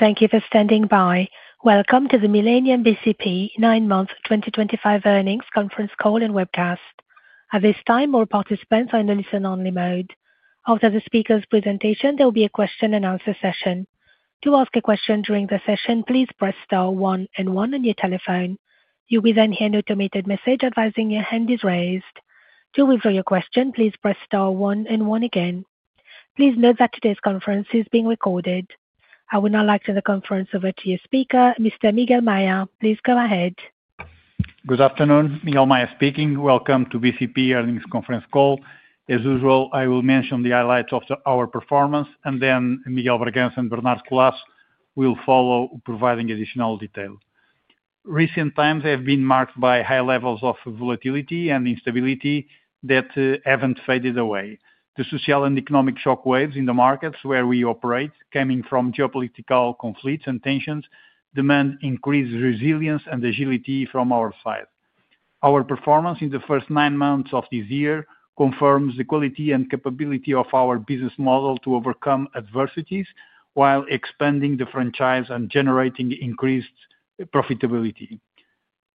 Thank you for standing by. Welcome to the Millennium bcp nine month 2025 earnings conference call and webcast. At this time, all participants are in the listen only mode. After the speaker's presentation, there will be a question and answer session. To ask a question during the session, please press star one and one on your telephone. You will then hear an automated message advising your hand is raised. To withdraw your question, please press star one and one again. Please note that today's conference is being recorded. I would now like to turn the conference over to your speaker, Mr. Miguel Maya. Please go ahead. Good afternoon, Miguel Maya speaking. Welcome to bcp earnings conference call. As usual, I will mention the highlights of our performance and then Miguel de Bragança and Bernardo de Collaço will follow providing additional detail. Recent times have been marked by high levels of volatility and instability that haven't faded away. The social and economic shockwaves in the markets where we operate, coming from geopolitical conflicts and tensions, demand increased resilience and agility from our side. Our performance in the first nine months of this year confirms the quality and capability of our business model to overcome adversities while expanding the franchise and generating increased profitability.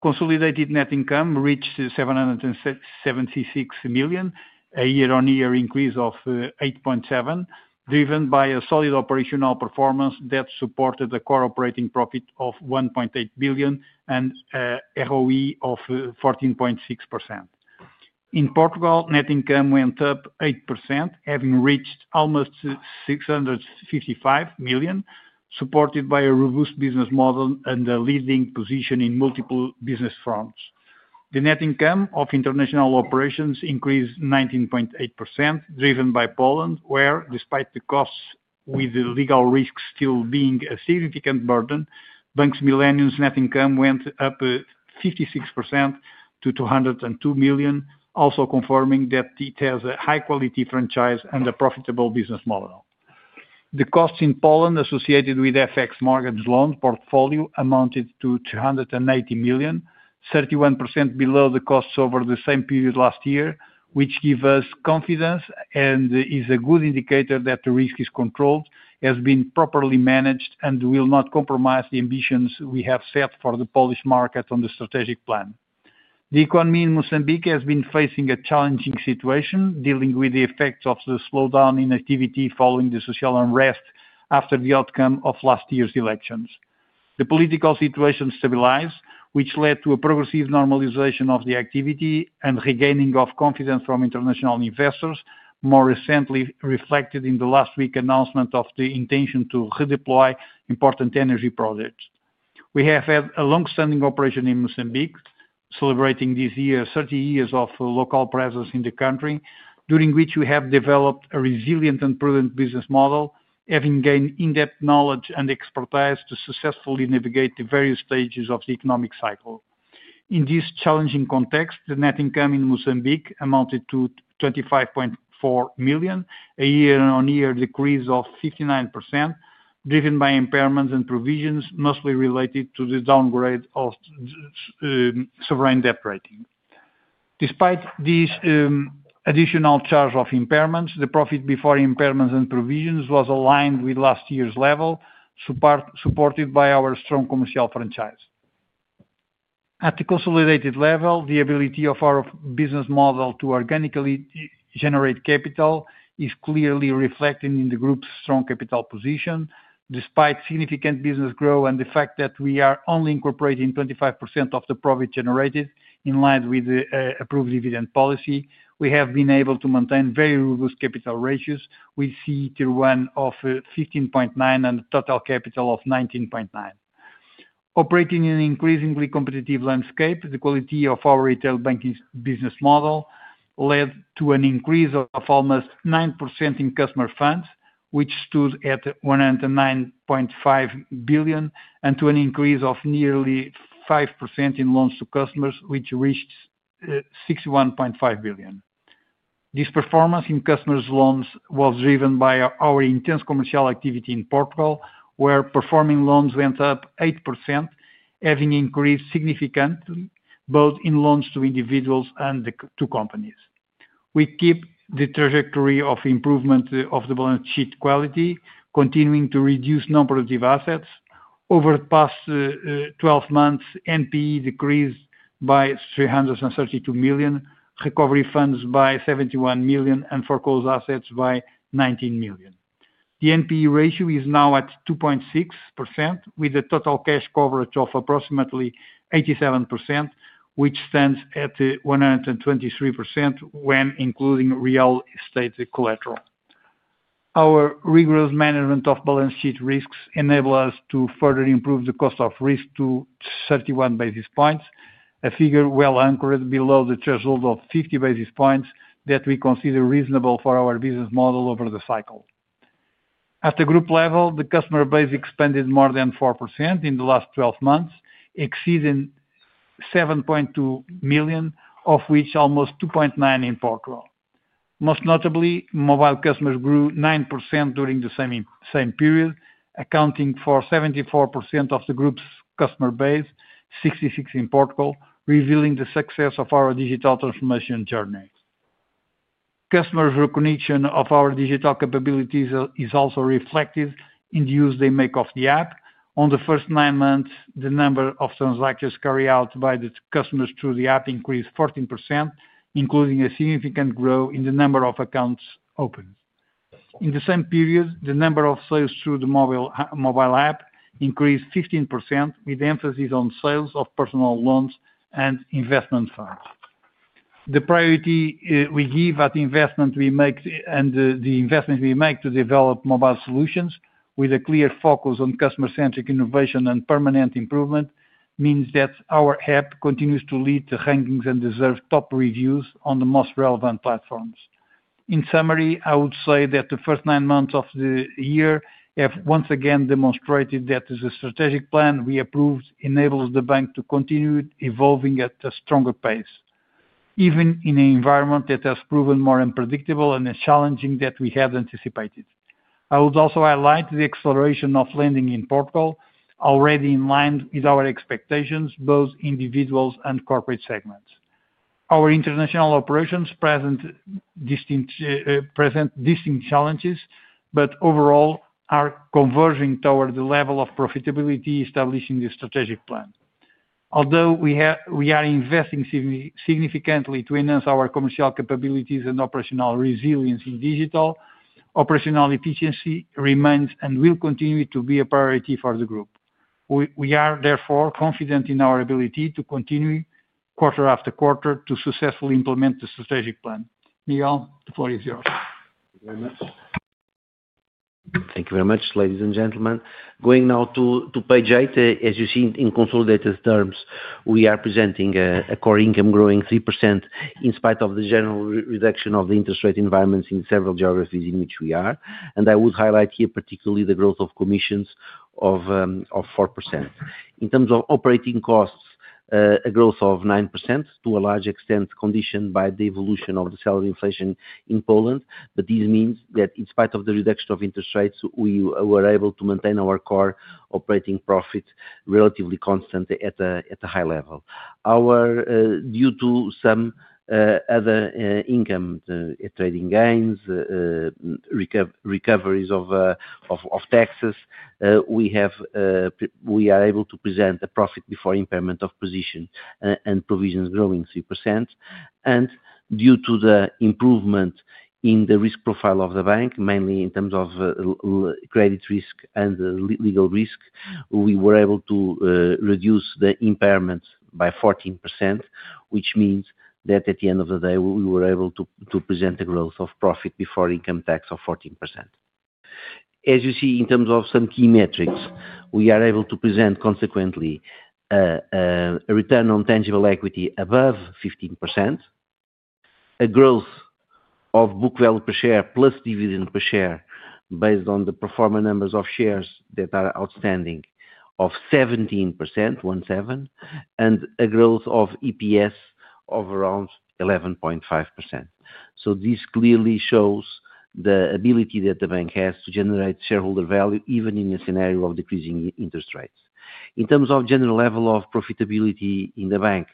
Consolidated net income reached 776 million, a year on year increase of 8.7%, driven by a solid operational performance that supported the core operating profit of 1.8 billion and ROE of 14.6%. In Portugal, net income went up 8%, having reached almost 655 million, supported by a robust business model and a leading position in multiple business fronts. The net income of International operations increased 19.8%, driven by Poland where despite the costs with the legal risk still being a significant burden, Bank Millennium's net income went up 56% to 202 million, also confirming that it has a high quality franchise and a profitable business model. The costs in Poland associated with FX mortgage loan portfolio amounted to 280 million, 31% below the costs over the same period last year, which give us confidence and is a good indicator that the risk is controlled, has been properly managed and will not compromise the ambitions we have set for the Polish market on the strategic plan. The economy in Mozambique has been facing a challenging situation dealing with the effects of the slowdown in activity following the social unrest. After the outcome of last year's elections, the political situation stabilized which led to a progressive normalization of the activity and regaining of confidence from international investors. More recently, reflected in the last week announcement of the intention to redeploy important energy projects, we have had a long standing operation in Mozambique, celebrating this year 30 years of local presence in the country during which we have developed a resilient and prudent business model, having gained in depth knowledge and expertise to successfully navigate the various stages of the economic cycle. In this challenging context, the net income in Mozambique amounted to 25.4 million, a year-on-year decrease of 59%, driven by impairments and provisions mostly related to the downgrade of sovereign debt rating. Despite this additional charge of impairments, the profit before impairments and provisions was aligned with last year's level, supported by our strong commercial franchise. At the consolidated level, the ability of our business model to organically generate capital is clearly reflected in the group's strong capital position. Despite significant business growth and the fact that we are only incorporating 25% of the profit generated in line with the approved dividend policy, we have been able to maintain very rigorous capital ratios. We see CET1 ratio of 15.9% and total capital of 19.9%. Operating in an increasingly competitive landscape, the quality of our retail banking business model led to an increase of almost 9% in customer funds, which stood at 109.5 billion, and to an increase of nearly 5% in loans to customers, which reached 61.5 billion. This performance in customer loans was driven by our intense commercial activity in Portugal, where performing loans went up 8%. Having increased significantly both in loans to individuals and to companies, we keep the trajectory of improvement of the balance sheet quality, continuing to reduce non-performing exposures. Over the past 12 months, NPEs decreased by 332 million, recovery funds by 71 million, and foreclosed assets by 19 million. The NPE ratio is now at 2.6% with a total cash coverage of approximately 87%, which stands at 123% when including real estate collateral. Our rigorous management of balance sheet risks enables us to further improve the cost of risk to 31 basis points, a figure well anchored below the threshold of 50 basis points that we consider reasonable for our business model over the cycle. At the group level, the customer base expanded more than 4% in the last 12 months, exceeding 7.2 million, of which almost 2.9 million in Portugal. Most notably, mobile customers grew 9% during the same period, accounting for 74% of the group's customer base, 66% in Portugal, revealing the success of our digital transformation journey. Customer recognition of our digital capabilities is also reflected in the use they make of the app. On the first nine months, the number of transactions carried out by the customers through the app increased 14%, including a significant growth in the number of accounts opened in the same period. The number of sales through the mobile app increased 15% with emphasis on sales of personal loans and investment funds. The priority we give at the investment we make and the investments we make to develop mobile solutions with a clear focus on customer-centric innovation and permanent improvement means that our app continues to lead the rankings and deserve top reviews on the most relevant platforms. In summary, I would say that the first nine months of the year have once again demonstrated that the strategic plan we approved enables the bank to continue evolving at a stronger pace, even in an environment that has proven more unpredictable and as challenging as we had anticipated. I would also highlight the acceleration of lending in Portugal, already in line with our expectations, both individuals and corporate segments. Our international operations present distinct challenges, but overall are converging toward the level of profitability establishing the strategic plan. Although we are investing significantly to enhance our commercial capabilities and operational resilience in digital, operational efficiency remains and will continue to be a priority for the group. We are therefore confident in our ability to continue quarter after quarter to successfully implement the strategic plan. Miguel, the floor is yours. Thank you very much, ladies and gentlemen. Going now to page eight. As you see, in consolidated terms, we are presenting a core income growing 3% in spite of the general reduction of the interest rate environments in several geographies in which we are, and I would highlight here particularly the growth of commissions of 4%. In terms of operating costs, a growth of 9% to a large extent conditioned by the evolution of the salary inflation in Poland. This means that in spite of the reduction of interest rates, we were able to maintain our core operating profit relatively constant at a high level due to some other income, trading gains, recoveries of taxes. We are able to present a profit before impairment of position and provisions growing 3%. Due to the improvement in the risk profile of the bank, mainly in terms of credit risk and legal risk, we were able to reduce the impairments by 14%, which means that at the end of the day we were able to present the growth of profit before income tax of 14%. As you see, in terms of some key metrics, we are able to present consequently a return on tangible equity above 15%, a growth of book value per share plus dividend per share based on the performing numbers of shares that are outstanding of 17%, one, seven, and a growth of EPS of around 11.5%. This clearly shows the ability that the bank has to generate shareholder value even in a scenario of decreasing interest rates. In terms of general level of profitability in the bank,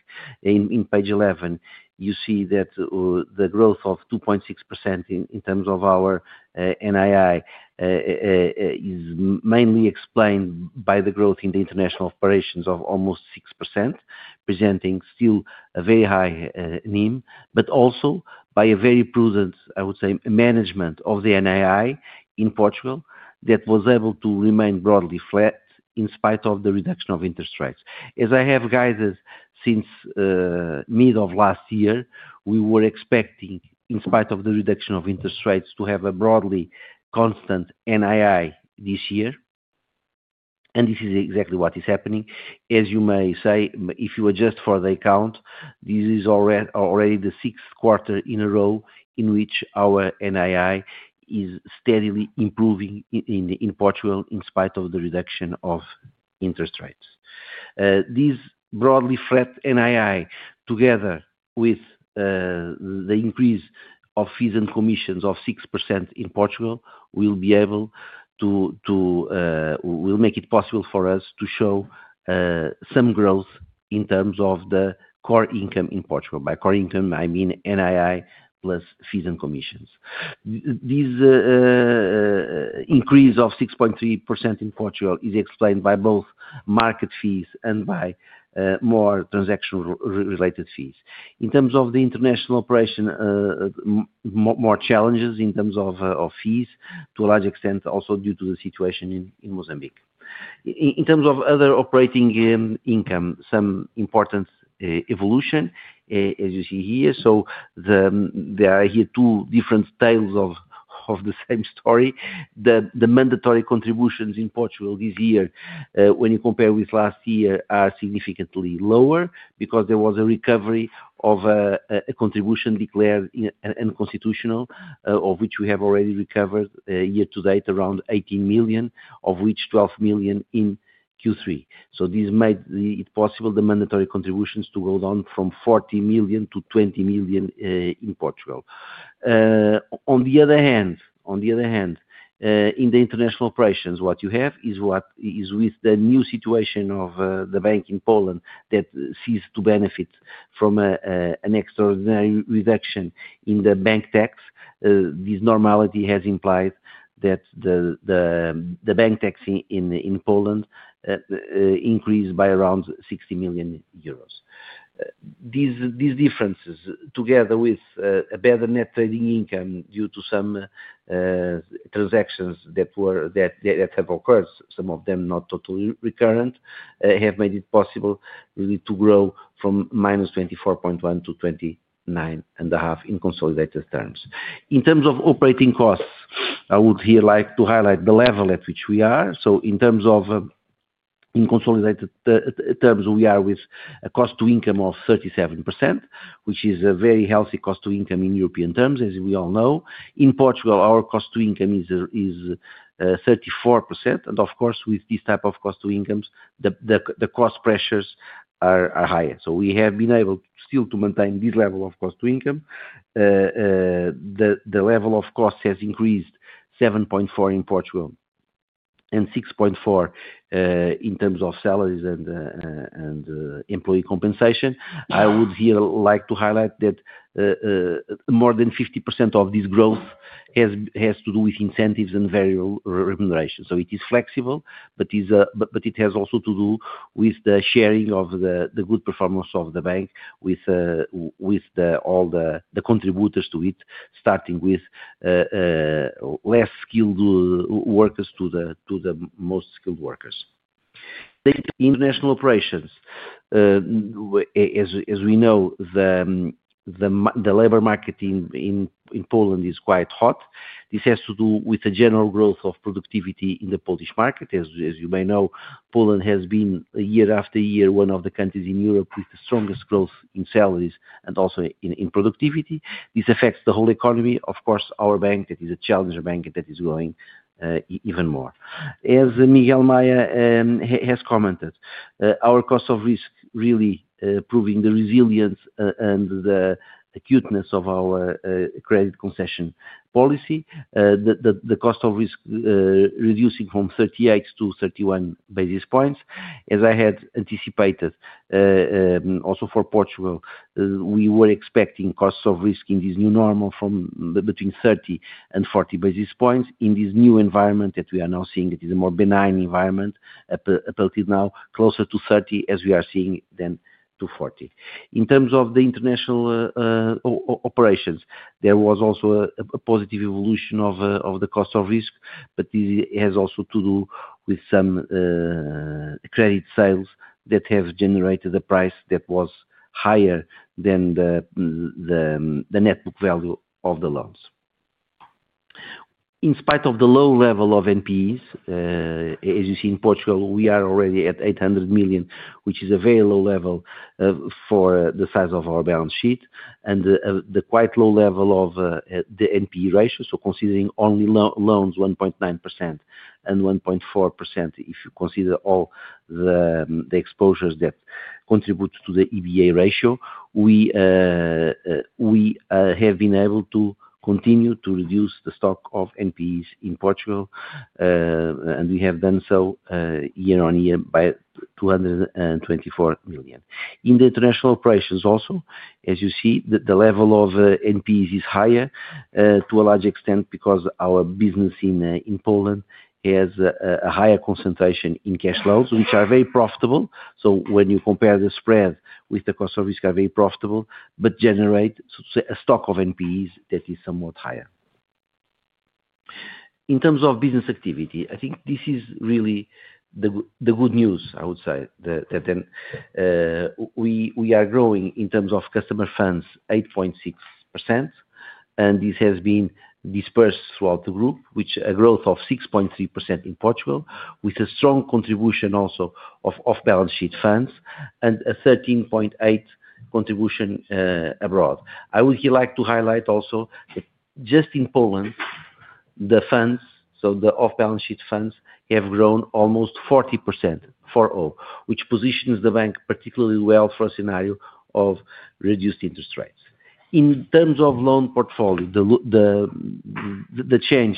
in page 11 you see that the growth of 2.6% in terms of our NII is mainly explained by the growth in the international operations of almost 6%, presenting still a very high NIM, but also by a very prudent, I would say, management of the NII in Portugal that was able to remain broadly flat in spite of the reduction of interest rates. As I have guided since mid of last year, we were expect, in spite of the reduction of interest rates, to have a broadly constant NII this year. This is exactly what is happening, as you may say, if you adjust for the account. This is already the sixth quarter in a row in which our NII is steadily improving in Portugal in spite of the reduction of interest rates. These broadly flat NII, together with the increase of fees and commissions of 6% in Portugal, will make it possible for us to show some growth in terms of the core income in Portugal. By core income I mean NII plus fees and commissions. This increase of 6.3% in Portugal is explained by both market fees and by more transactional related fees in terms of the international operation. More challenges in terms of fees to a large extent also due to the situation in Mozambique in terms of other operating income. Some important evolution, as you see here. There are here two different tales of the same story. The mandatory contributions in Portugal this year, when you compare with last year, are significantly lower because there was a recovery of a contribution declared unconstitutional, of which we have already recovered year to date around 18 million, of which 12 million in Q3. This made it possible for the mandatory contributions to go down from 40 million to 20 million in Portugal. On the other hand, in the international operations, what you have is with the new situation of the bank in Poland that ceased to benefit from an extraordinary reduction in the bank tax. This normality has implied that the bank tax in Poland increased by around 60 million euros. These differences, together with a better net trading income due to some transactions that have occurred, some of them not totally recurrent, have made it possible to really grow from -24.1 million to 29.5 million in consolidated terms. In terms of operating costs, I would here like to highlight the level at which we are. In consolidated terms, we are with a cost-to-income of 37%, which is a very healthy cost-to-income. In European terms, as we all know, in Portugal our cost-to-income is 34%. With this type of cost-to-incomes, the cost pressures are higher. We have been able still to maintain this level of cost-to-income. The level of cost has increased 7.4% in Portugal and 6.4% in terms of salaries and employee compensation. I would here like to highlight that more than 50% of this growth has to do with incentives and variable compensation. It is flexible, but it has also to do with the sharing of the good performance of the bank with all the contributors to it, starting with less skilled workers to the most skilled workers. International operations, as we know, the labor market in Poland is quite hot. This has to do with the general growth of productivity in the Polish market. As you may know, Poland has been year after year one of the countries in Europe with the strongest growth in salaries and also in productivity. This affects the whole economy. Of course, our bank, that is a challenger bank that is growing even more, as Miguel Maya has commented. Our cost of risk really proving the resilience and the acuteness of our credit concession policy. The cost of risk reducing from 38 basis points to 31 basis points. As I had anticipated also for Portugal, we were expecting cost of risk in this new normal from between 30 basis points and 40 basis points. In this new environment that we are now seeing, it is a more benign environment. Up until now, closer to 30 as we are seeing than to 40. In terms of the international operations, there was also a positive evolution of the cost of risk. This has also to do with some credit sales that have generated a price that was higher than the net book value of the loans. In spite of the low level of NPEs, as you see in Portugal, we are already at 800 million, which is a very low level for the size of our balance sheet and the quite low level of the NPE ratio. Considering only loans, 1.9% and 1.4% if you consider all the exposures that contribute to the EBA ratio. We have been able to continue to reduce the stock of NPEs in Portugal, and we have done so year on year by 224 million. In the international operations also, as you see, the level of NPEs is higher to a large extent because our business in Poland has a higher concentration in cash flows, which are very profitable. When you compare the spread with the cost of risk, they are very profitable but generate a stock of NPEs that is somewhat higher in terms of business activity. I think this is really the good news. I would say we are growing in terms of customer funds 8.6%, and this has been dispersed throughout the group, with a growth of 6.3% in Portugal with a strong contribution also of off-balance sheet funds and a 13.8% contribution abroad. I would like to highlight also that just in Poland, the funds, so the off-balance sheet funds, have grown almost 40% for all, which positions the bank particularly well for a scenario of reduced interest rates. In terms of loan portfolio, the change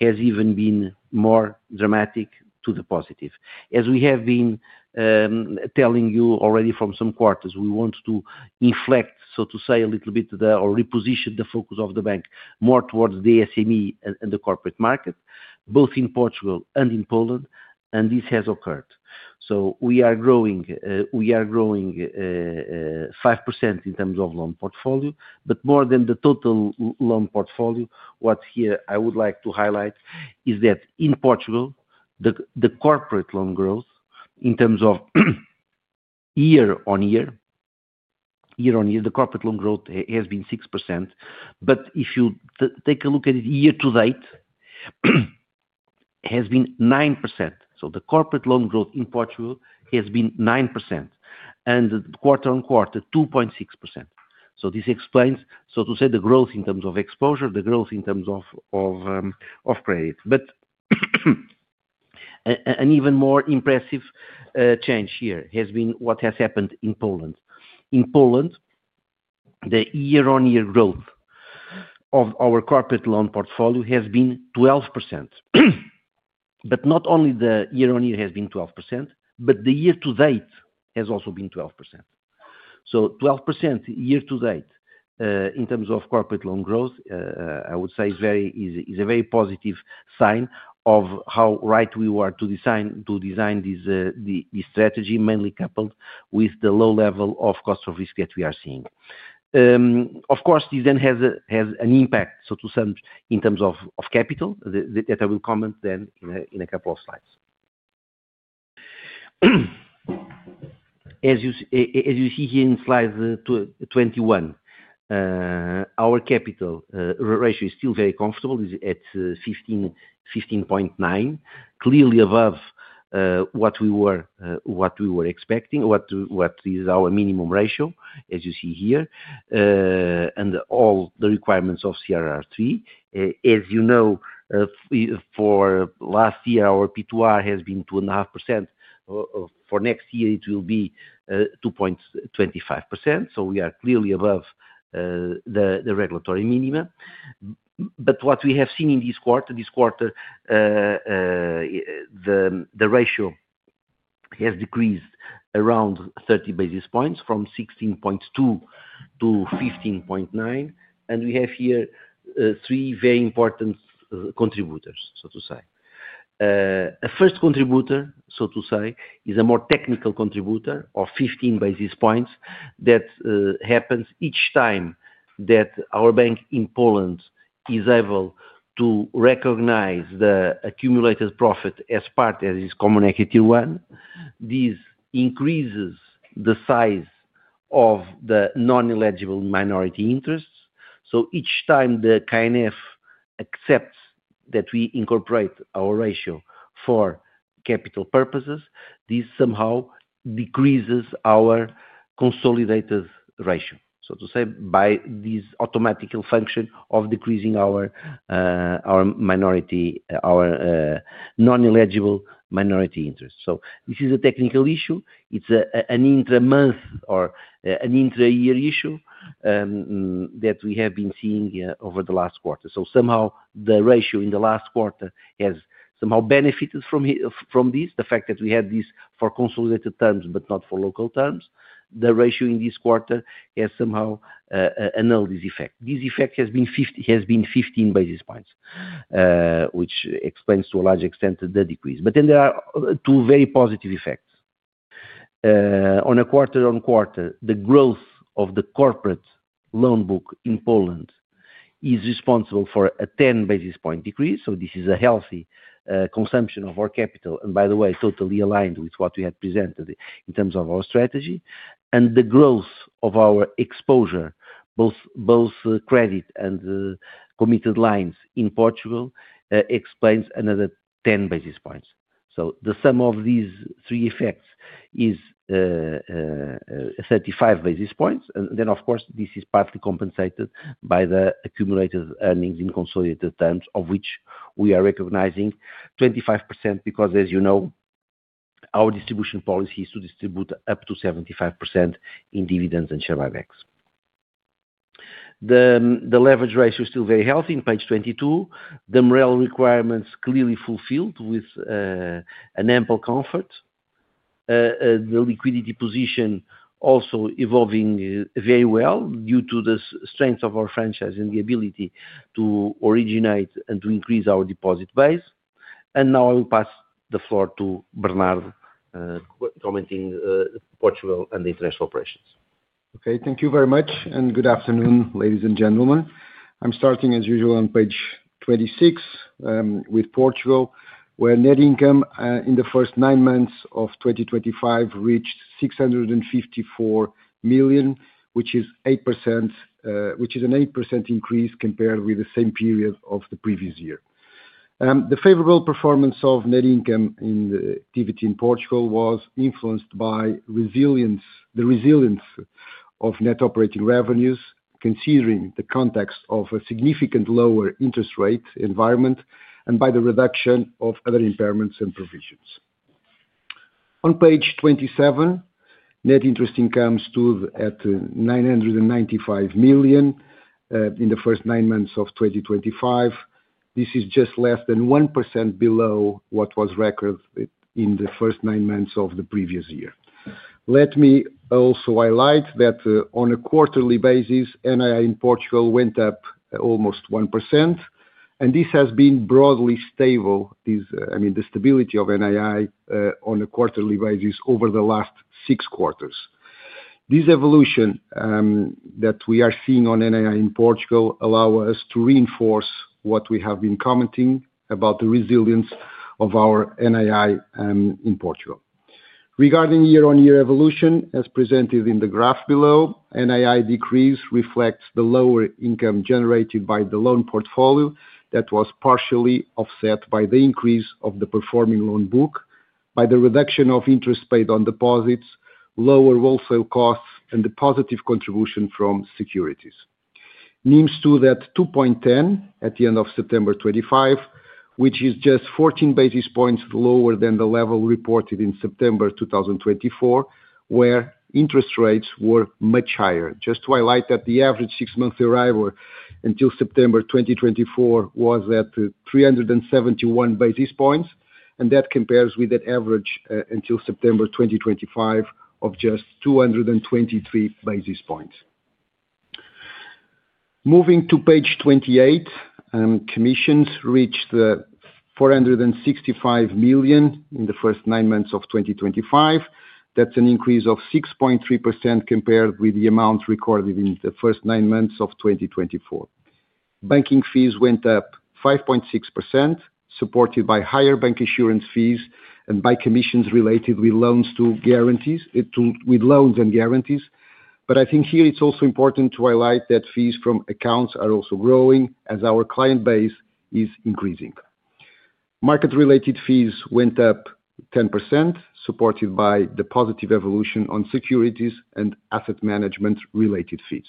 has even been more dramatic to the positive. As we have been telling you already from some quarters, we want to inflect, so to say, a little bit or reposition the focus of the bank more towards the SME and the corporate market, both in Portugal and in Poland, and this has occurred. We are growing 5% in terms of loan portfolio, but more than the total loan portfolio. What here I would like to highlight is that in Portugal the corporate loan growth in terms of year on year, year on year the corporate loan growth has been 6%. If you take a look at it, year to date has been 9%. The corporate loan growth in Portugal has been 9% and quarter on quarter 2.6%. This explains, so to say, the growth in terms of exposure, the growth in terms of credit. An even more impressive change here has been what has happened in Poland. In Poland, the year on year growth of our corporate loan portfolio has been 12%. Not only the year on year has been 12%, but the year to date has also been 12%. 12% year to date in terms of corporate loan growth I would say is a very positive sign of how right we were to design this strategy, mainly coupled with the low level of cost of risk that we are seeing. Of course, this then has an impact in terms of capital that I will comment then in a couple of slides. As you see here in Slide 21, our capital ratio is still very comfortable at 15.9%, clearly above what we were expecting. What is our minimum ratio as you see here, and all the requirements of CRR 3. As you know, for last year our P2R has been 2.5%. For next year it will be 2.25%. We are clearly above the regulatory minimum. What we have seen in this quarter, this quarter the ratio has decreased around 30 basis points from 16.2% to 15.9%. We have here three very important contributors, so to say. A first contributor, so to say, is a more technical contributor of 15 basis points. That happens each time that our bank in Poland is able to recognize the accumulated profit as part of its common equity. This increases the size of the non-eligible minority interests. Each time the K&F accepts that we incorporate our ratio for capital purposes, this somehow decreases our consolidated ratio, so to say, by this automatic function of decreasing our minority, our non-eligible minority interest. This is a technical issue. It's an intra-month or an intra-year issue that we have been seeing over the last quarter. Somehow the ratio in the last quarter has benefited from this. The fact that we had this for consolidated terms but not for local terms, the ratio in this quarter has annulled this effect. This effect has been 15 basis points, which explains to a large extent the decrease. There are two very positive effects on a quarter on quarter. The growth of the corporate loan book in Poland is responsible for a 10 basis points decrease. This is a healthy consumption of our capital and, by the way, totally aligned with what we had presented in terms of our strategy. The growth of our exposure, both credit and committed lines in Portugal, explains another 10 basis points. The sum of these three effects is 35 basis points. This is partly compensated by the accumulated earnings in consolidated terms, of which we are recognizing 25% because, as you know, our distribution policy is to distribute up to 75% in dividends and share buybacks. The leverage ratio is still very healthy in page 22. The Morale Requirements are clearly fulfilled with ample comfort. The liquidity position is also evolving very well due to the strength of our franchise and the ability to originate and to increase our deposit base. Now I will pass the floor to Bernardo commenting Portugal and International operations. Okay, thank you very much and good afternoon, ladies and gentlemen. I'm starting as usual on page 26 with Portugal, where net income in the first nine months of 2025 reached 654 million, which is an 8% increase compared with the same period of the previous year. The favorable performance of net income activity in Portugal was influenced by the resilience of net operating revenues considering the context of a significantly lower interest rate environment and by the reduction of other impairments and provisions. On page 27, net interest income stood at 995 million in the first nine months of 2025. This is just less than 1% below what was recorded in the first nine months of the previous year. Let me also highlight that on a quarterly basis, NII in Portugal went up almost 1%. This has been broadly stable, the stability of NII on a quarterly basis over the last six quarters. This evolution that we are seeing on NII in Portugal allows us to reinforce what we have been commenting about, the resilience of our NII in Portugal regarding year-on-year evolution. As presented in the graph below, NII decrease reflects the lower income generated by the loan portfolio that was partially offset by the increase of the performing loan book, by the reduction of interest paid on deposits, lower wholesale costs, and the positive contribution from securities. NIM stood at 2.10% at the end of September 2025, which is just 14 basis points lower than the level reported in September 2024 where interest rates were much higher. Just to highlight that the average six-month Euribor until September 2024 was at 371 basis points and that compares with that average until September 2025 of just 223 basis points. Moving to page 28, commissions reached 465 million in the first nine months of 2025. That's an increase of 6.3% compared with the amount recorded in the first nine months of 2024. Banking fees went up 5.6%, supported by higher bancassurance fees and by commissions related with loans and guarantees. I think here it's also important to highlight that fees from accounts are also growing as our client base is increasing. Market-related fees went up 10% supported by the positive evolution on securities and asset management related fees.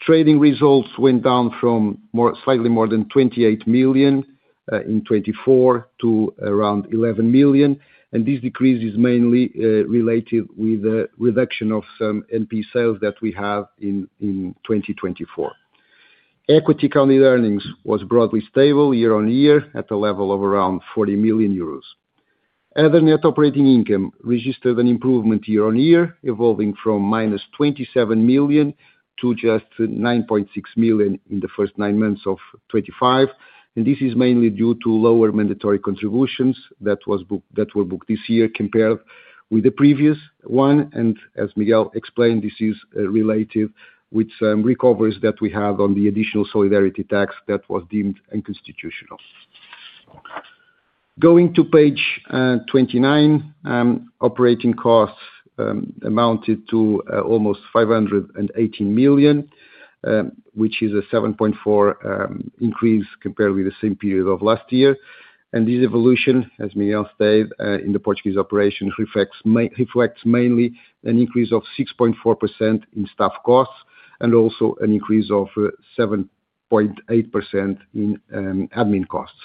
Trading results went down from slightly more than 28 million in 2024 to around 11 million. This decrease is mainly related with the reduction of some NPE sales that we had in 2024. Equity counted earnings was broadly stable year on year at the level of around 40 million euros. Other net operating income registered an improvement year on year, evolving from -27 million to just 9.6 million in the first nine months of 2025. This is mainly due to lower mandatory contributions that were booked this year compared with the previous one. As Miguel explained, this is related with some recoveries that we have on the additional Solidarity tax that was deemed unconstitutional. Going to page 29, operating costs amounted to almost 518 million, which is a 7.4% increase compared with the same period of last year. This evolution, as Miguel stated in the Portuguese operations, reflects mainly an increase of 6.4% in staff costs and also an increase of 7.8% in admin costs,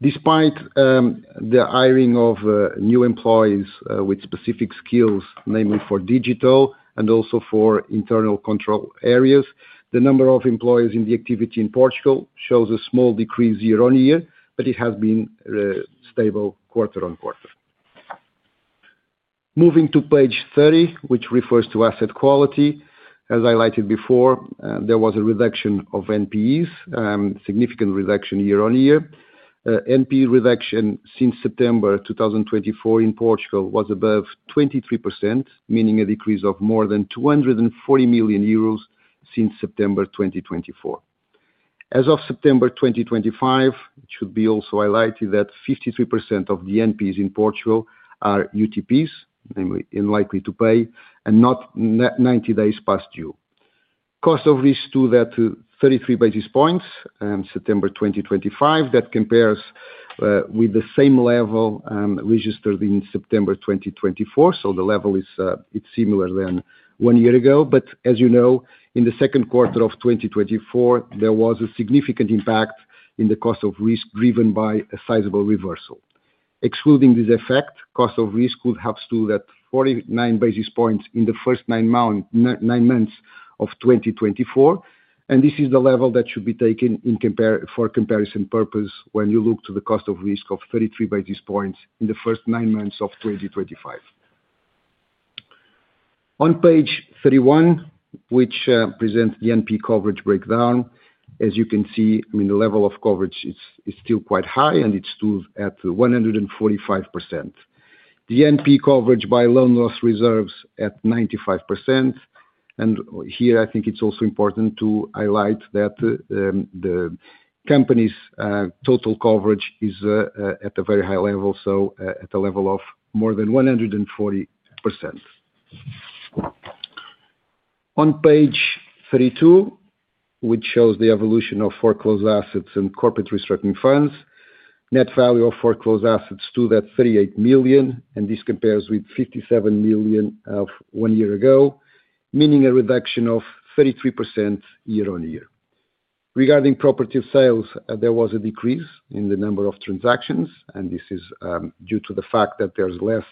despite the hiring of new employees with specific skills, namely for digital and also for internal control areas. The number of employees in the activity in Portugal shows a small decrease year on year, but it has been stable quarter on quarter. Moving to page 30, which refers to asset quality. As highlighted before, there was a reduction of NPEs, significant reduction year on year. NPE reduction since September 2024 in Portugal was above 23%, meaning a decrease of more than 240 million euros since September 2024. As of September 2025, it should be also highlighted that 53% of the NPEs in Portugal are UTPs, namely unlikely to pay and not 90 days past due. Cost of risk stood at 33 basis points in September 2025. That compares with the same level registered in September 2024. The level is similar to one year ago. In the second quarter of 2024 there was a significant impact in the cost of risk driven by a sizable reversal. Excluding this effect, cost of risk would have stood at 49 basis points in the first nine months of 2024. This is the level that should be taken for comparison purpose when you look to the cost of risk of 33 basis points in the first nine months of 2025. On page 31, which presents the NPE coverage breakdown. As you can see, the level of coverage is still quite high and it stood at 145%. The NPE coverage by loan loss reserves at 95%. Here I think it's also important to highlight that the company's total coverage is at a very high level, so at the level of more than 140%. On page 32, which shows the evolution of foreclosed assets and corporate restructuring funds, net value of foreclosed assets stood at 38 million. This compares with 57 million one year ago, meaning a reduction of 33% year on year. Regarding property sales, there was a decrease in the number of transactions. This is due to the fact that there are less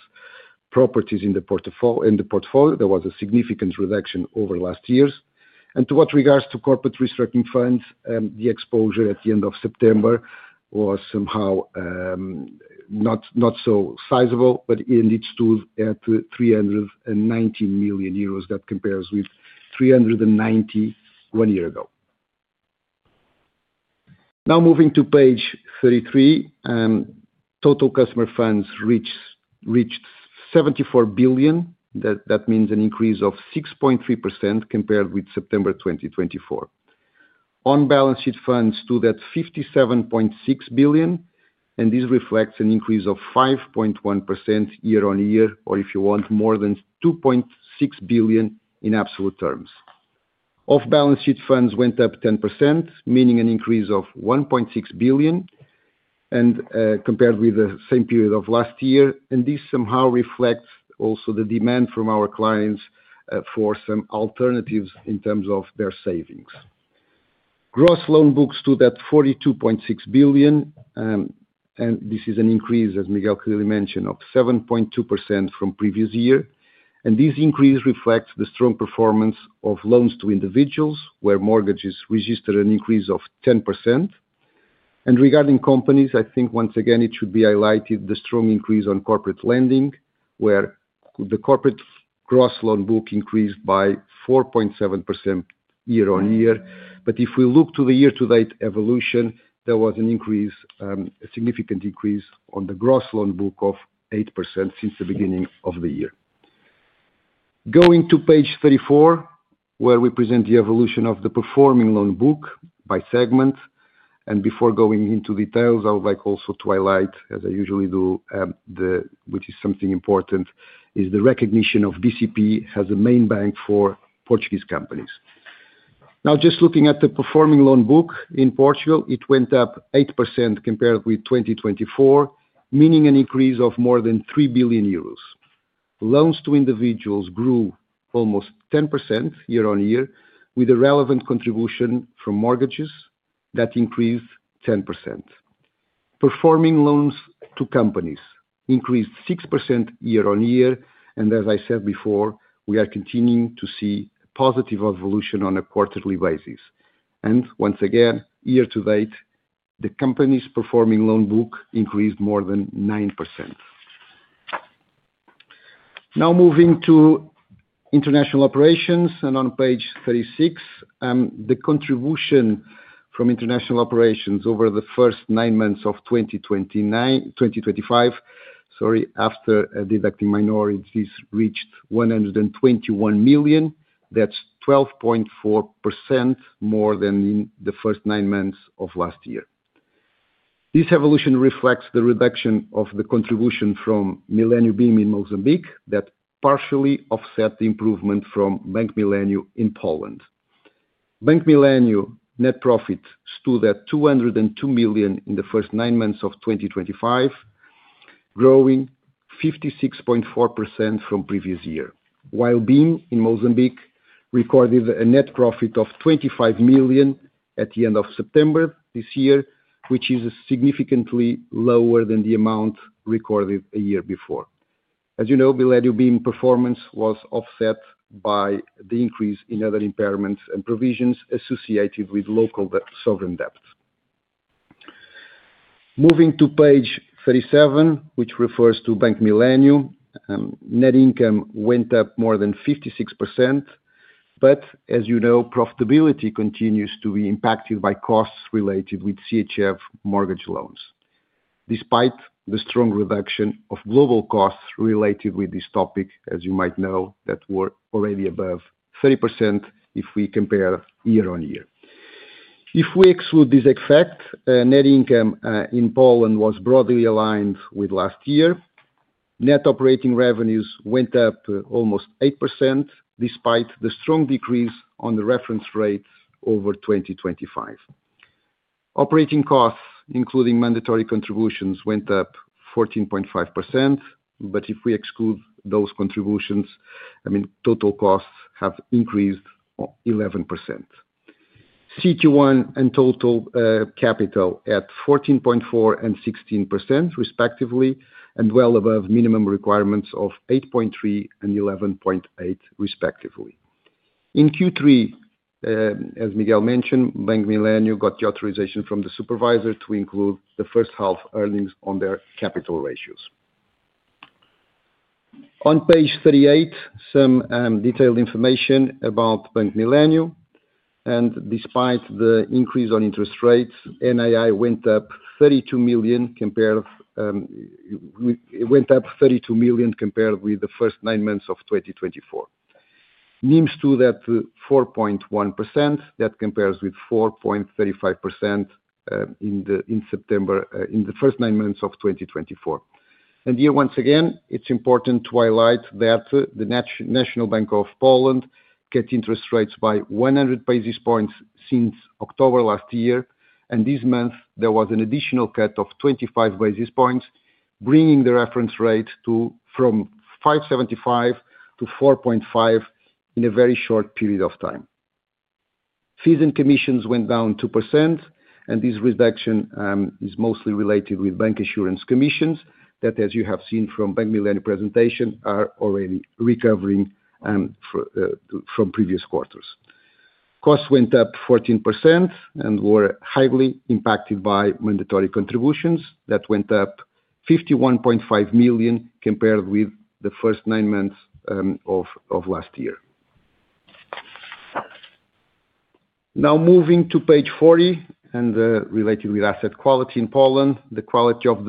properties in the portfolio. There was a significant reduction over last years. To what regards corporate restructuring funds, the exposure at the end of September was somehow not so sizable, but it stood at 319 million euros. That compares with 391 million one year ago. Now moving to page 33, total customer funds reached 74 billion. That means an increase of 6.3% compared with September 2024. On-balance sheet funds stood at 57.6 billion, and this reflects an increase of 5.1% year on year, or if you want more than 2.6 billion in absolute terms. Off-balance sheet funds went up 10%, meaning an increase of 1.6 billion compared with the same period of last year. This somehow reflects also the demand from our clients for some alternatives in terms of their savings. Gross loan book stood at 42.6 billion, and this is an increase, as Miguel clearly mentioned, of 7.2% from previous year. This increase reflects the strong performance of loans to individuals, where mortgages registered an increase of 10%. Regarding companies, I think once again it should be highlighted the strong increase in corporate lending, where the corporate gross loan book increased by 4.7% year on year. If we look to the year-to-date evolution, there was a significant decrease in the gross loan book of 8% since the beginning of the year. Going to page 34, where we present the evolution of the performing loan book by segment, and before going into details, I would like also to highlight, as I usually do, which is something important, the recognition of bcp as a main bank for Portuguese companies. Just looking at the performing loan book in Portugal, it went up 8% compared with 2024, meaning an increase of more than 3 billion euros. Loans to individuals grew almost 10% year on year, with a relevant contribution from mortgages that increased 10%. Performing loans to companies increased 6% year on year. As I said before, we are continuing to see positive evolution on a quarterly basis. Once again, year to date, the company's performing loan book increased more than 9%. Now moving to international operations and on page 36, the contribution from international operations over the first nine months of 2025. Sorry, after deducting minorities reached 121 million, that's 12.4% more than in the first nine months of last year. This evolution reflects the reduction of the contribution from Millennium bim in Mozambique that partially offset the improvement from Bank Millennium in Poland. Bank Millennium net profit stood at 202 million in the first nine months of 2025, growing 56.4% from previous year. While bim in Mozambique recorded a net profit of 25 million at the end of September this year, which is significantly lower than the amount recorded a year before. As you know, Millennium bim performance was offset by the increase in other impairments and provisions associated with local sovereign debt. Moving to page 37, which refers to Bank Millennium, net income went up more than 56%. As you know, profitability continues to be impacted by costs related with CHF mortgage loans, despite the strong reduction of global costs related with this topic. As you might know, they were already above 30% if we compare year on year. If we exclude this effect, net income in Poland was broadly aligned with last year. Net operating revenues went up almost 8% despite the strong decrease on the reference rate over 2025. Operating costs including mandatory contributions went up 14.5%. If we exclude those contributions, total costs have increased 11%. CET1 and total capital at 14.4% and 16% respectively and well above minimum requirements of 8.3% and 11.8% respectively. In Q3, as Miguel mentioned, Bank Millennium got the authorization from the supervisor to include the first half earnings on their capital ratios. On page 38, some detailed information about Bank Millennium and despite the increase on interest rates, net interest income went up 32 million compared. It went up 32 million compared with the first nine months of 2024. NIM stood at 4.1%. That compares with 4.35% in September in the first nine months of 2024. Here once again it's important to highlight that the National Bank of Poland cut interest rates by 100 basis points since October last year and this month there was an additional cut of 25 basis points, bringing the reference rate from 5.75% to 4.5% in a very short period of time. Fees and commissions went down 2% and this reduction is mostly related with bancassurance commissions that, as you have seen from Bank Millennium presentation, are already recovering from previous quarters. Costs went up 14% and were highly impacted by mandatory contributions that went up 51.5 million compared with the first nine months of last year. Now moving to page 40 related with asset quality in Poland, the quality of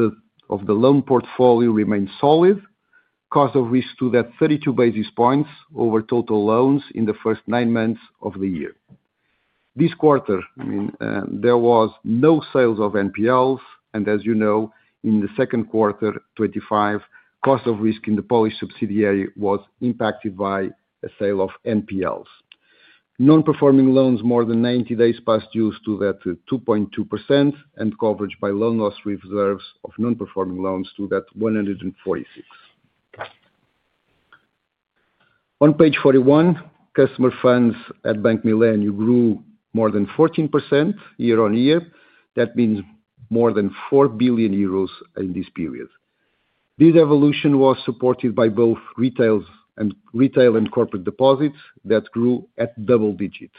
the loan portfolio remains solid. Cost of risk stood at 32 basis points over total loans in the first nine months of the year. This quarter there was no sales of NPLs, and as you know, in the second quarter 2025, cost of risk in the Polish subsidiary was impacted by a sale of NPLs, non-performing loans more than 90 days past due, to 2.2%, and coverage by loan loss reserves of non-performing loans to that 146. On page 41, customer funds at Bank Millennium grew more than 14% year on year. That means more than 4 billion euros in this period. This evolution was supported by both retail and corporate deposits that grew at double digits.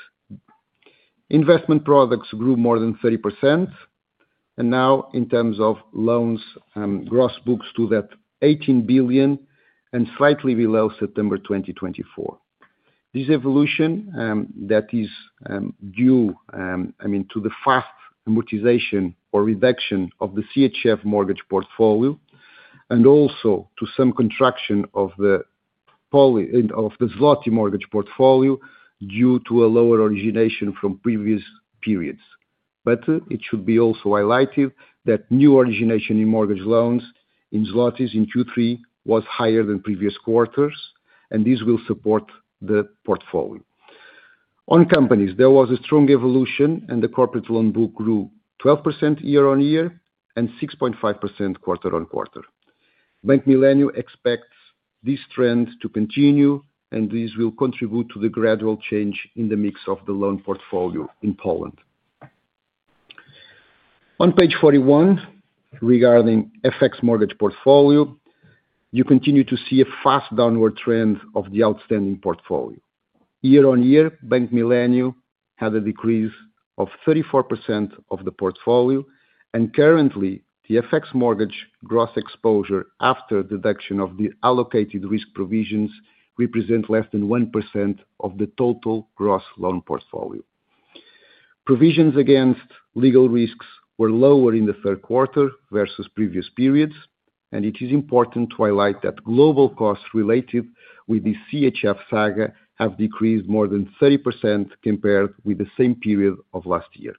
Investment products grew more than 30%, and now in terms of loans, gross books to that 18 billion and slightly below September 2024. This evolution is due, I mean, to the fast amortization or reduction of the CHF mortgage portfolio and also to some contraction of the Zloty mortgage portfolio due to a lower origination from previous periods. It should be also highlighted that new origination in mortgage loans in Zlotys in Q3 was higher than previous quarters, and this will support the portfolio. On companies, there was a strong evolution, and the corporate loan book grew 12% year on year and 6.5% quarter on quarter. Bank Millennium expects this trend to continue, and this will contribute to the gradual change in the mix of the loan portfolio in Poland. On page 41, regarding FX mortgage portfolio, you continue to see a fast downward trend of the outstanding portfolio. Year on year, Bank Millennium had a decrease of 34% of the portfolio, and currently the FX mortgage gross exposure after deduction of the allocated risk provisions represents less than 1% of the total gross loan portfolio. Provisions against legal risks were lower in the third quarter versus previous periods, and it is important to highlight that global costs related with the CHF saga have decreased more than 30% compared with the same period of last year.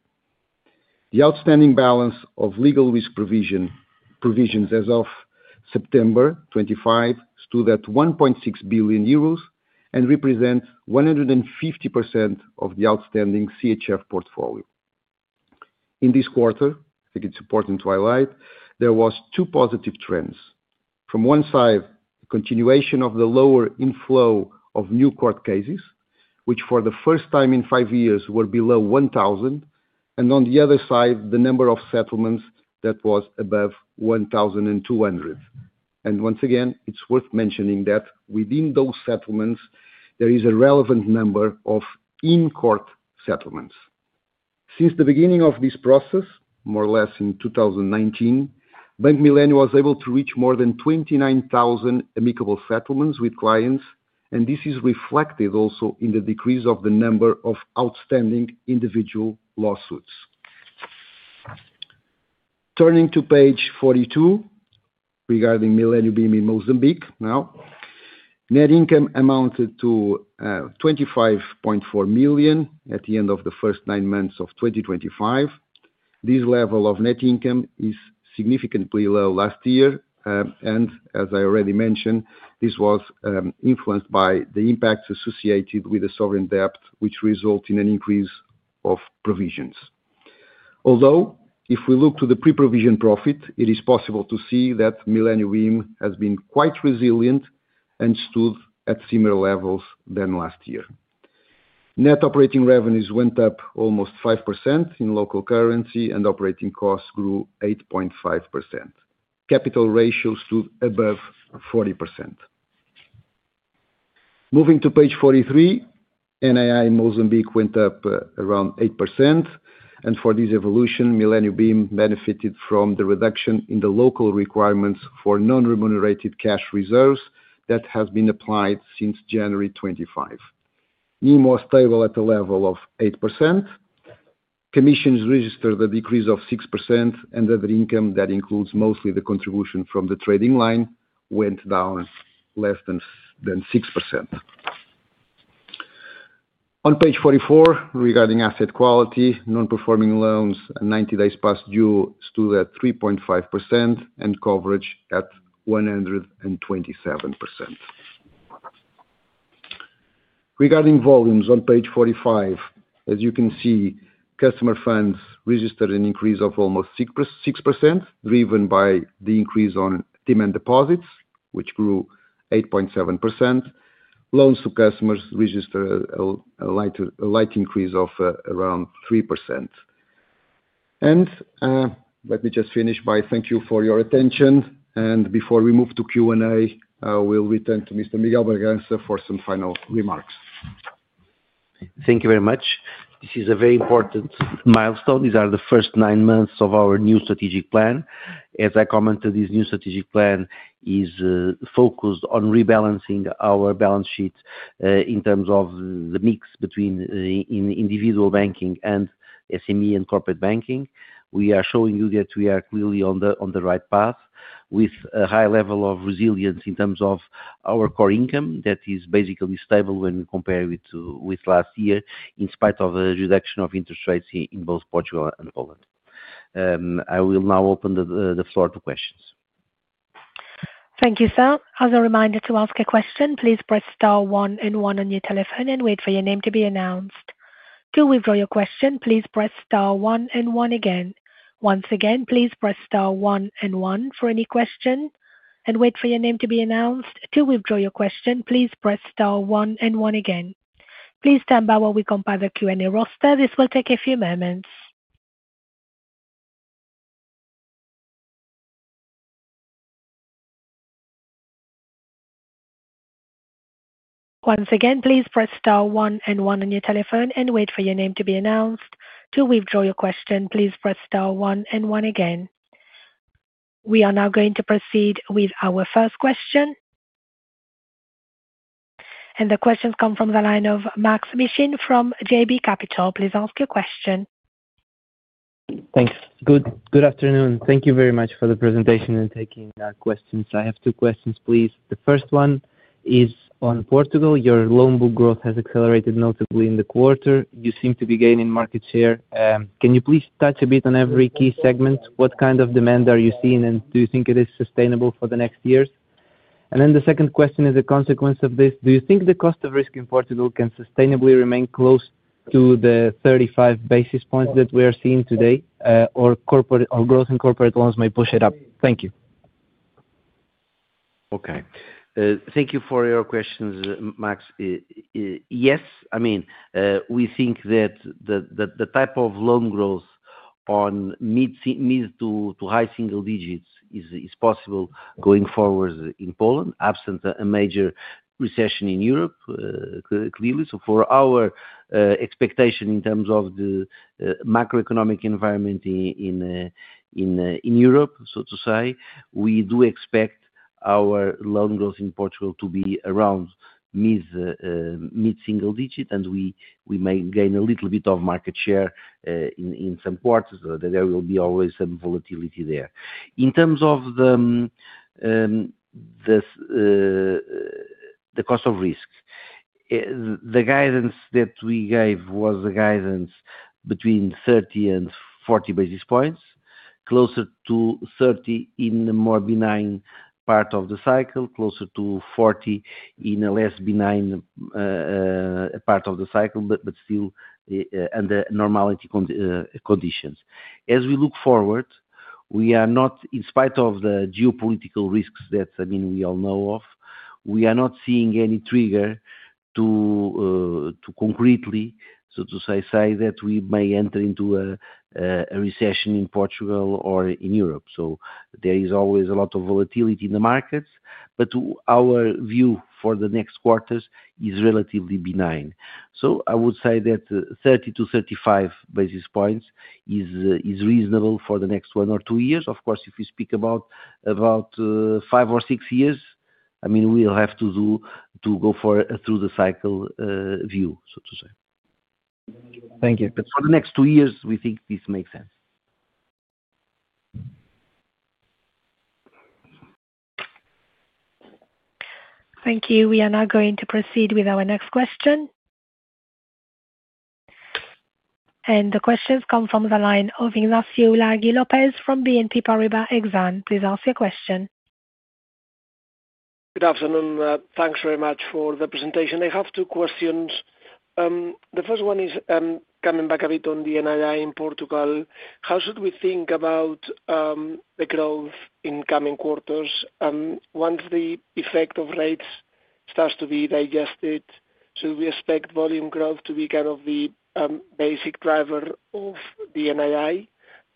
The outstanding balance of legal risk provisions as of September 2025 stood at 1.6 billion euros and represents 150% of the outstanding CHF portfolio in this quarter. I think it's important to highlight there was two positive trends. From one side, continuation of the lower inflow of new court cases, which for the first time in five years were below 1,000, and on the other side, the number of settlements that was above 1,200. Once again, it's worth mentioning that within those settlements there is a relevant number of in-court settlements. Since the beginning of this process, more or less in 2019, Bank Millennium was able to reach more than 29,000 amicable settlements with clients, and this is reflected also in the decrease of the number of outstanding individual lawsuits. Turning to page 42 regarding Millennium bim in Mozambique now, net income amounted to 25.4 million at the end of the first nine months of 2025. This level of net income is significantly lower than last year, and as I already mentioned, this was influenced by the impacts associated with the sovereign debt, which resulted in an increase of provisions. Although, if we look to the pre-provision profit, it is possible to see that Millennium has been quite resilient and stood at similar levels to last year. Net operating revenues went up almost 5% in local currency, and operating costs grew 8.5%. Capital ratio stood above 40%. Moving to page 43, NII Mozambique went up around 8%, and for this evolution, Millennium bim benefited from the reduction in the local requirements for non-remunerated cash reserves that has been applied since January 2025. NIM was stable at the level of 8%. Commissions registered a decrease of 6%, and other income that includes mostly the contribution from the trading line went down less than 6%. On page 44 regarding asset quality, non-performing loans 90 days past due stood at 3.5%, and coverage at 127%. Regarding volumes on page 45, as you can see, customer funds registered an increase of almost 6%, driven by the increase on demand deposits, which grew 8.7%. Loans to customers registered a light increase of around 3%. Thank you for your attention. Before we move to Q&A, we'll return to Mr. Miguel de Bragança for some final remarks. Thank you very much. This is a very important milestone. These are the first nine months of our new strategic plan. As I commented, this new strategic plan is focused on rebalancing our balance sheet in terms of the mix between individual banking and SME and corporate banking. We are showing you that we are clearly on the right path with a high level of resilience in terms of our core income that is basically stable when we compare with last year, in spite of the reduction of interest rates in both Portugal and Poland. I will now open the floor to questions. Thank you, sir. As a reminder to ask a question, please press star one and one on your telephone and wait for your name to be announced. To withdraw your question, please press star one and one again. Once again, please press star one and one for any question and wait for your name to be announced. To withdraw your question, please press star one and one again. Please stand by while we compile the Q&A roster. This will take a few moments. Once again, please press star one and one on your telephone and wait for your name to be announced. To withdraw your question, please press star one and one again. We are now going to proceed with our first question and the questions come from the line of Maksym Mishyn from JB Capital. Please ask your question. Thanks. Good afternoon. Thank you very much for the presentation and taking questions. I have two questions, please. The first one is on Portugal. Your loan book growth has accelerated notably in the quarter. You seem to be gaining market share. Can you please touch a bit on every key segment? What kind of demand are you seeing and do you think it is sustainable for the next years? The second question is a consequence of this. Do you think the cost of risk in Portugal can sustainably remain close to the 35 basis points that we are seeing today? Or growth in corporate loans may push it up. Thank you. Okay, thank you for your questions. Maksym. Yes, I mean, we think that the type of loan growth on mid to high single digits is possible going forward in Poland absent a major recession in Europe, clearly. For our expectation in terms of the macroeconomic environment in Europe, we do expect our loan growth in Portugal to be around mid single digit and we may gain a little bit of market share in some quarters. There will always be some volatility there. In terms of the cost of risk, the guidance that we gave was the guidance between 30 basis points and 40 basis points. Closer to 30 basis points in the more benign part of the cycle, closer to 40 basis points in a less benign part of the cycle, but still under normality conditions. As we look forward, we are not, in spite of the geopolitical risks that we all know of, we are not seeing any trigger to concretely say that we may enter into a recession in Portugal or in Europe. There is always a lot of volatility in the market. Our view for the next quarters is relatively benign. I would say that 30 basis points-35 basis points is reasonable for the next one or two years. Of course, if we speak about five or six years, we'll have to go through the cycle view. Thank you. For the next two years, we think this makes sense. Thank you. We are now going to proceed with our next question. The questions come from the line of Ignacio Ulargui from BNP Paribas Exane. Please ask your question. Good afternoon. Thanks very much for the presentation. I have two questions. The first one is coming back a bit on the NII in Portugal. How should we think about the growth in coming quarters once the effect of rates starts to be digested? Should we expect volume growth to be kind of the basic driver of the NII?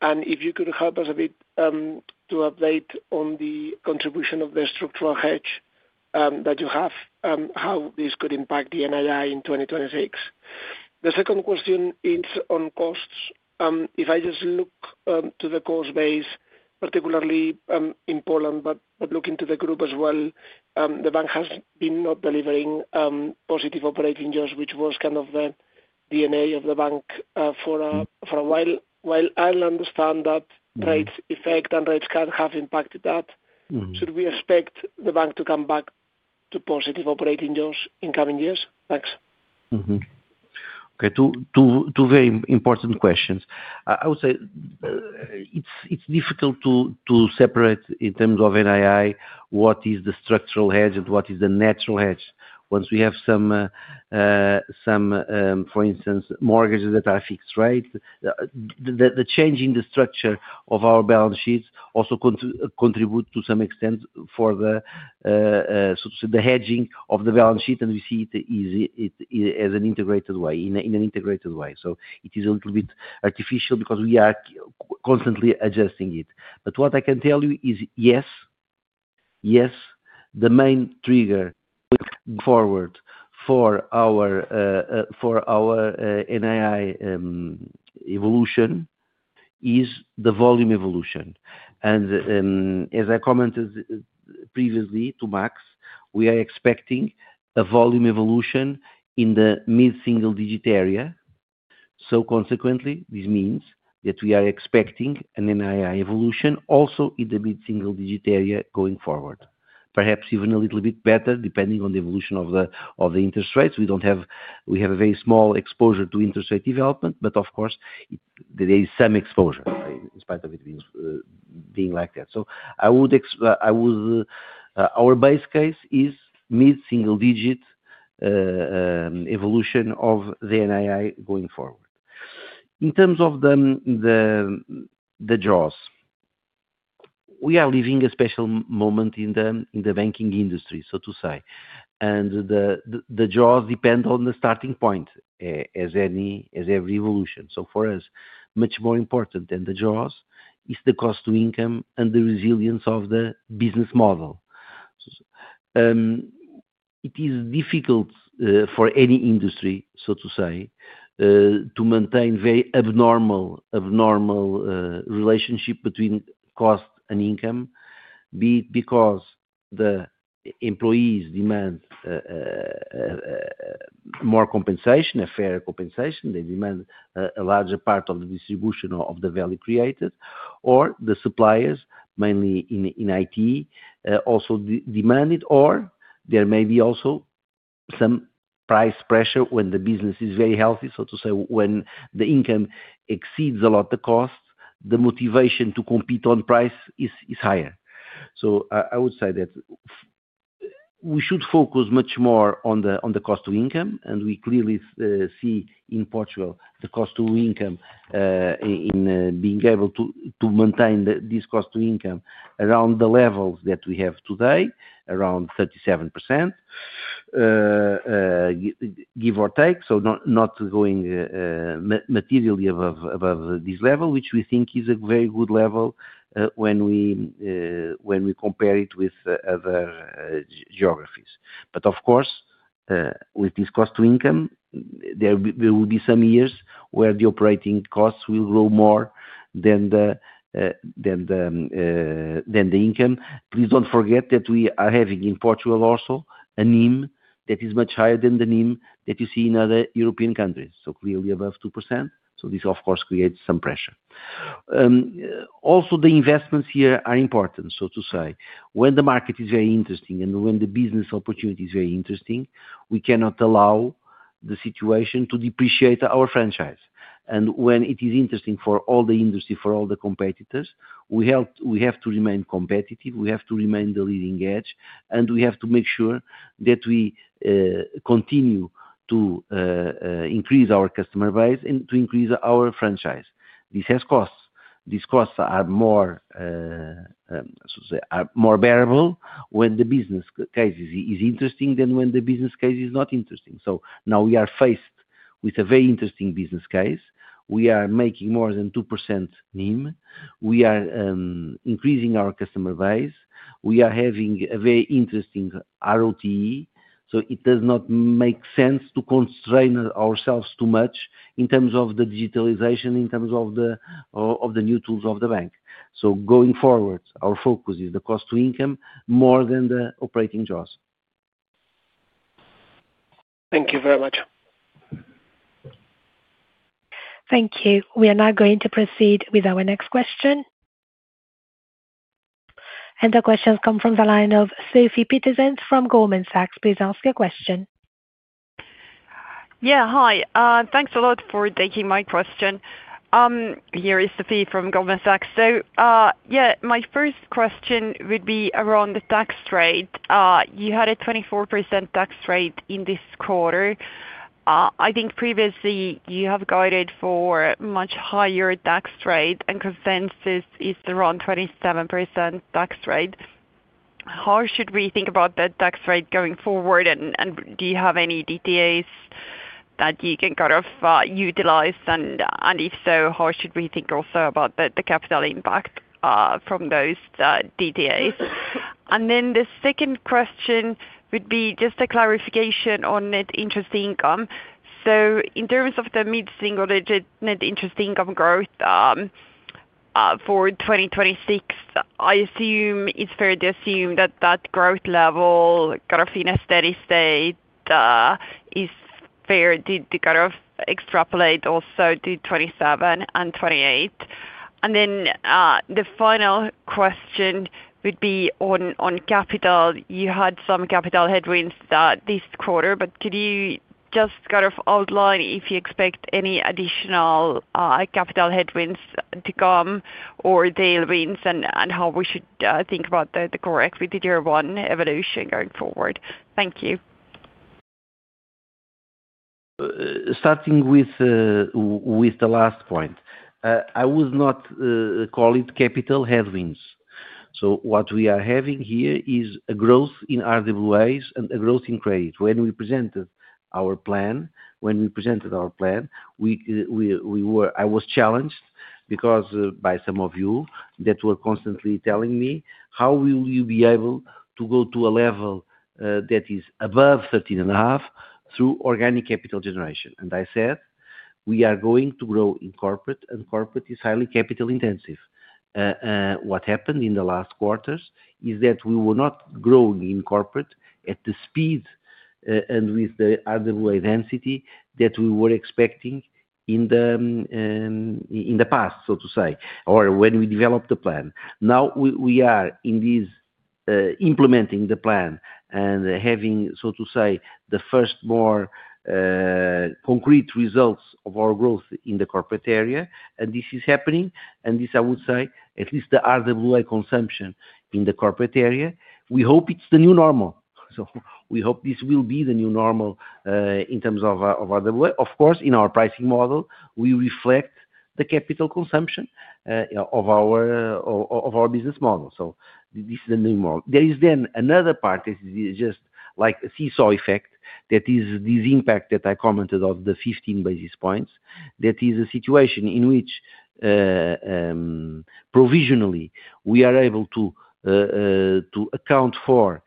And if you could help us a bit to update on the contribution of the structural hedge that you have, how this could impact the NII in 2026. The second question is on costs. If I just look to the cost base, particularly in Poland, but looking to the group as well, the bank has been not delivering positive operating yields, which was kind of the DNA of the bank for a while. While I understand that rates effect and rates can have impact, should we expect the bank to come back to positive operating yields in coming years? Thanks. Okay, two very important questions. I would say it's difficult to separate in terms of NII what is the structural hedge and what is the natural hedge. Once we have some, for instance, mortgages that are fixed rate, the change in the structure, our balance sheets also contribute to some extent for the hedging of the balance sheet. We see it in an integrated way. So it is a little bit artificial because we are constantly adjusting it. What I can tell you is yes, the main trigger forward for our NII evolution is the volume evolution. As I commented previously to Maksym, we are expecting a volume evolution in the mid single digit area. Consequently, this means that we are expecting an NII evolution also in the mid single digit area going forward, perhaps even a little bit better, depending on the evolution of the interest rates. We have a very small exposure to interest rate development, but of course there is some exposure in spite of it being like that. Our base case is mid single digit evolution of the NII going forward. In terms of the jaws, we are living a special moment in the banking industry, so to say. The jaws depend on the starting point as every evolution. For us, much more important than the jaws is the cost-to-income and the resilience of the business model. It is difficult for any industry, so to say, to maintain very abnormal relationship between cost and income. Be it because the employees demand more compensation, a fair compensation, they demand a larger part of the distribution of the value created, or the suppliers mainly in it also demand it. There may be also some price pressure when the business is very healthy, so to say, when the income exceeds a lot the costs, the motivation to compete on price is higher. I would say that we should focus much more on the cost to income. We clearly see in Portugal the cost to income in being able to maintain this cost to income around the levels that we have today, around 37%, give or take. Not going materially above this level, which we think is a very good level when we compare it with other geographies. Of course, with this cost to income, there will be some years where the operating costs will grow more than the income. Please don't forget that we are having in Portugal also a NIM that is much higher than the NIM that you see in other European countries, so clearly above 2%. This of course creates some pressure. Also the investments here are important, so to say, when the market is very interesting and when the business opportunity is very interesting, we cannot allow the situation to depreciate our franchise. When it is interesting for all the industry, for all the competitors, we have to remain competitive, we have to remain the leading edge. We have to make sure that we continue to increase our customer base and to increase our franchise. This has costs. These costs are more bearable when the business case is interesting than when the business case is not interesting. Now we are faced with a very interesting business case. We are making more than 2% NIM, we are increasing our customer base, we are having a very interesting ROTE. It does not make sense to constrain ourselves too much in terms of the digitalization, in terms of the new tools of the bank. Going forward our focus is the cost to income more than the operating jobs. Thank you very much. Thank you. We are now going to proceed with our next question. The questions come from the line of Sophie Petersen from Goldman Sachs. Please ask your question. Yeah, hi, thanks a lot for taking my question. Here is the feed from Goldman Sachs. My first question would be around the tax rate. You had a 24% tax rate in this quarter. I think previously you have guided for much higher tax rate and consensus is around 27% tax rate. How should we think about that tax rate going forward? Do you have any DTA's that you can kind of utilize? If so, how should we think also about the capital impact from those DTA's? The second question would be just a clarification on net interest income. In terms of the mid single digit net interest income growth for 2026, I assume it's fair to assume that that growth level kind of in a steady state is fair. Did extrapolate also to 2027 and 2028? The final question would be on capital. You had some capital headwinds this quarter. Could you just outline if you expect any additional capital headwinds to come or tailwinds and how we should think about the core equity tier one evolution going forward? Thank you. Starting with the last point, I would not call it capital headwinds. What we are having here is a growth in RWAs and a growth in credit. When we presented our plan, I was challenged by some of you that were constantly telling me how will you be able to go to a level that is above 13.5% through organic capital generation. I said we are going to grow in corporate and corporate is highly capital intensive. What happened in the last quarters is that we were not growing in corporate at the speed and with the intensity that we were expecting in the past, or when we developed the plan. Now we are implementing the plan and having, so to say, the first more concrete results of our growth in the corporate area. This is happening and this, I would say, at least the RWA consumption in the corporate area, we hope it's the new normal. We hope this will be the new normal in terms of RWA. Of course, in our pricing model we reflect the capital consumption of our business model. This is a new model. There is then another part, just like a seesaw effect. That is this impact that I commented on, the 15 basis points. That is a situation in which provisionally we are able to account for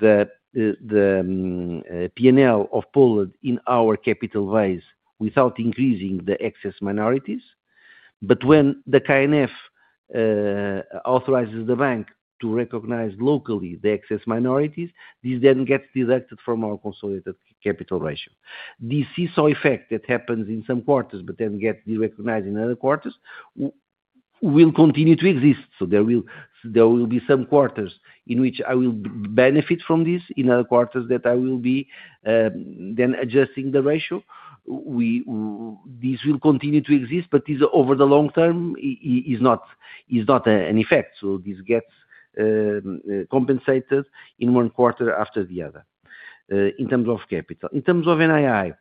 the P&L of Poland in our capital base without increasing the excess minorities. When the K&F authorizes the bank to recognize locally the excess minorities, this then gets deducted from our consolidated capital ratio. The seesaw effect that happens in some quarters, but then gets derecognized in other quarters, will continue to exist. There will be some quarters in which I will benefit from this. In other quarters, I will be then adjusting the ratio. This will continue to exist, but over the long term it is not an effect. This gets compensated in one quarter after the other in terms of capital. In terms of NII,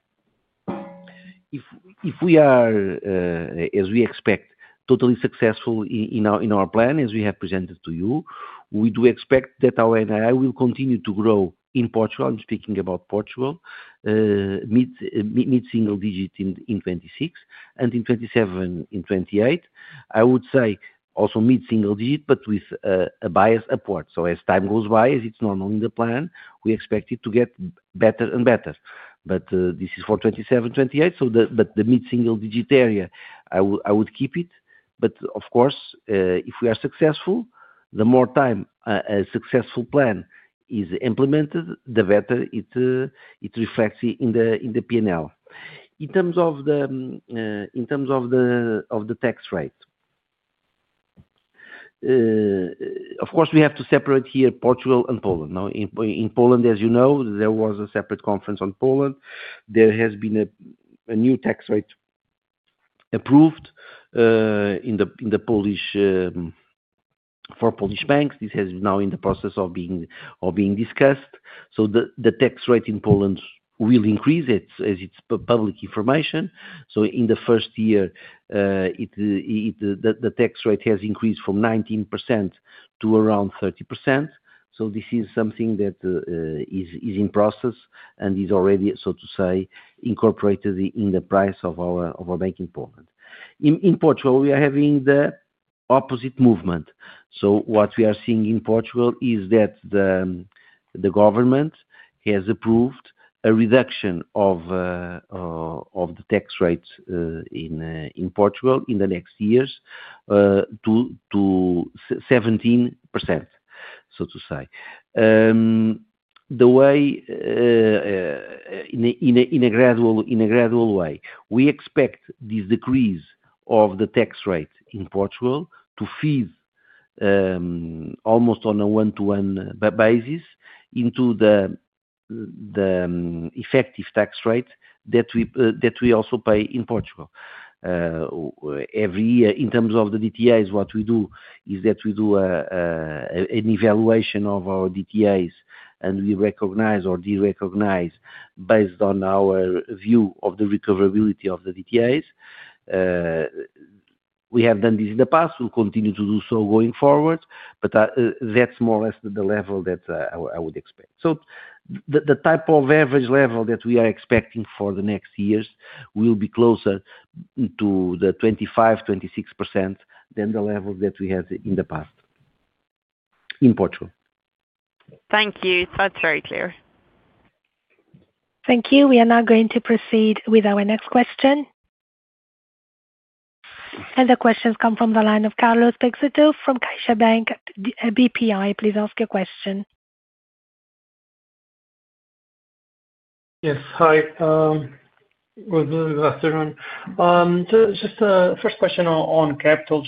if we are, as we expect, totally successful in our plan, as we have presented to you, we do expect that our NII will continue to grow in Portugal. I'm speaking about Portugal, mid single digit in 2026 and in 2027, in 2028, I would say also mid single digit, but with a bias upward. As time goes by, as it's normal in the plan, we expect it to get better and better. This is for 2027, 2028. The mid single digit area, I would keep it. Of course, if we are successful, the more time a successful plan is implemented, the better it reflects in the P&L. In terms of the tax rate, of course, we have to separate here, Portugal and Poland. In Poland, as you know, there was a separate conference on Poland. There has been a new tax rate approved in Poland for Polish banks. This is now in the process of being or being discussed. The tax rate in Poland will increase as it's public information. In the first year, the tax rate has increased from 19% to around 30%. This is something that is in process and is already, so to say, incorporated in the price of our banking. In Portugal, we are having the opposite movement. What we are seeing in Portugal is that the government has approved a reduction of the tax rates in Portugal in the next years to 17%, so to say, in a gradual way. We expect this decrease of the tax rate in Portugal to feed almost on a one to one basis into the effective tax rate that we also pay in Portugal every year in terms of the DTAs. What we do is that we do an evaluation of our DTAs and we recognize or derecognize based on our view of the recoverability of the DTAs. We have done this in the past, we'll continue to do so going forward, but that's more or less the level that I would expect. The type of average level that we are expecting for the next years will be closer to the 25%, 26% than the level that we had in the past in Portugal. Thank you, that's very clear. Thank you. We are now going to proceed with our next question. The questions come from the line of Carlos Peixoto from CaixaBank BPI. Please ask your question. Yes. Hi, good afternoon. First question on capital,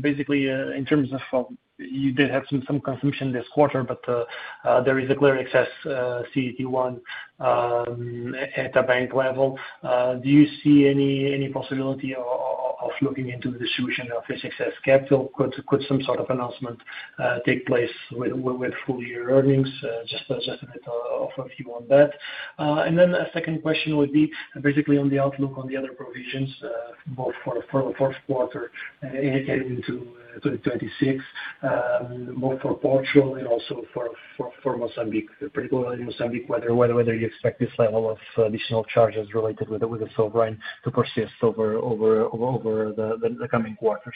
basically in terms of you did have some. Consumption this quarter, but there is a clear excess CET1 at the bank level. Do you see any possibility of looking into the distribution of this excess capital? Could some sort of announcement take place with full year earnings? Just a little on that. A second question would be. Basically, on the outlook on the other. Provisions both for the fourth quarter indicating. Into 2026, both for Portugal and also for Mozambique, particularly in Mozambique, whether you expect this level of additional charges related with the silverine to persist over the coming quarters.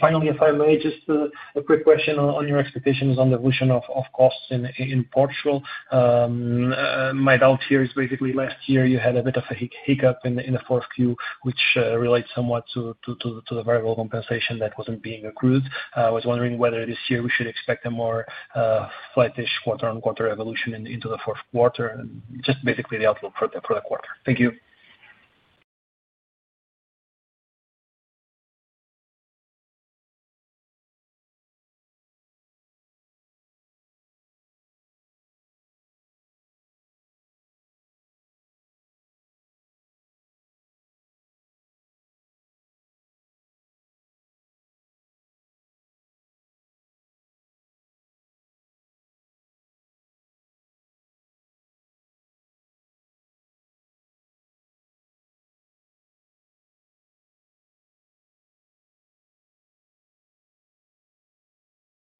Finally, if I may, just a quick question on your expectations on the evolution of costs in Portugal. My doubt here is basically last year you had a bit of a hiccup in the fourth quarter which relates somewhat to the variable compensation that wasn't being accrued. I was wondering whether this year we should expect a more flattish quarter on quarter evolution into the fourth quarter. Just basically the outlook for the quarter. Thank you.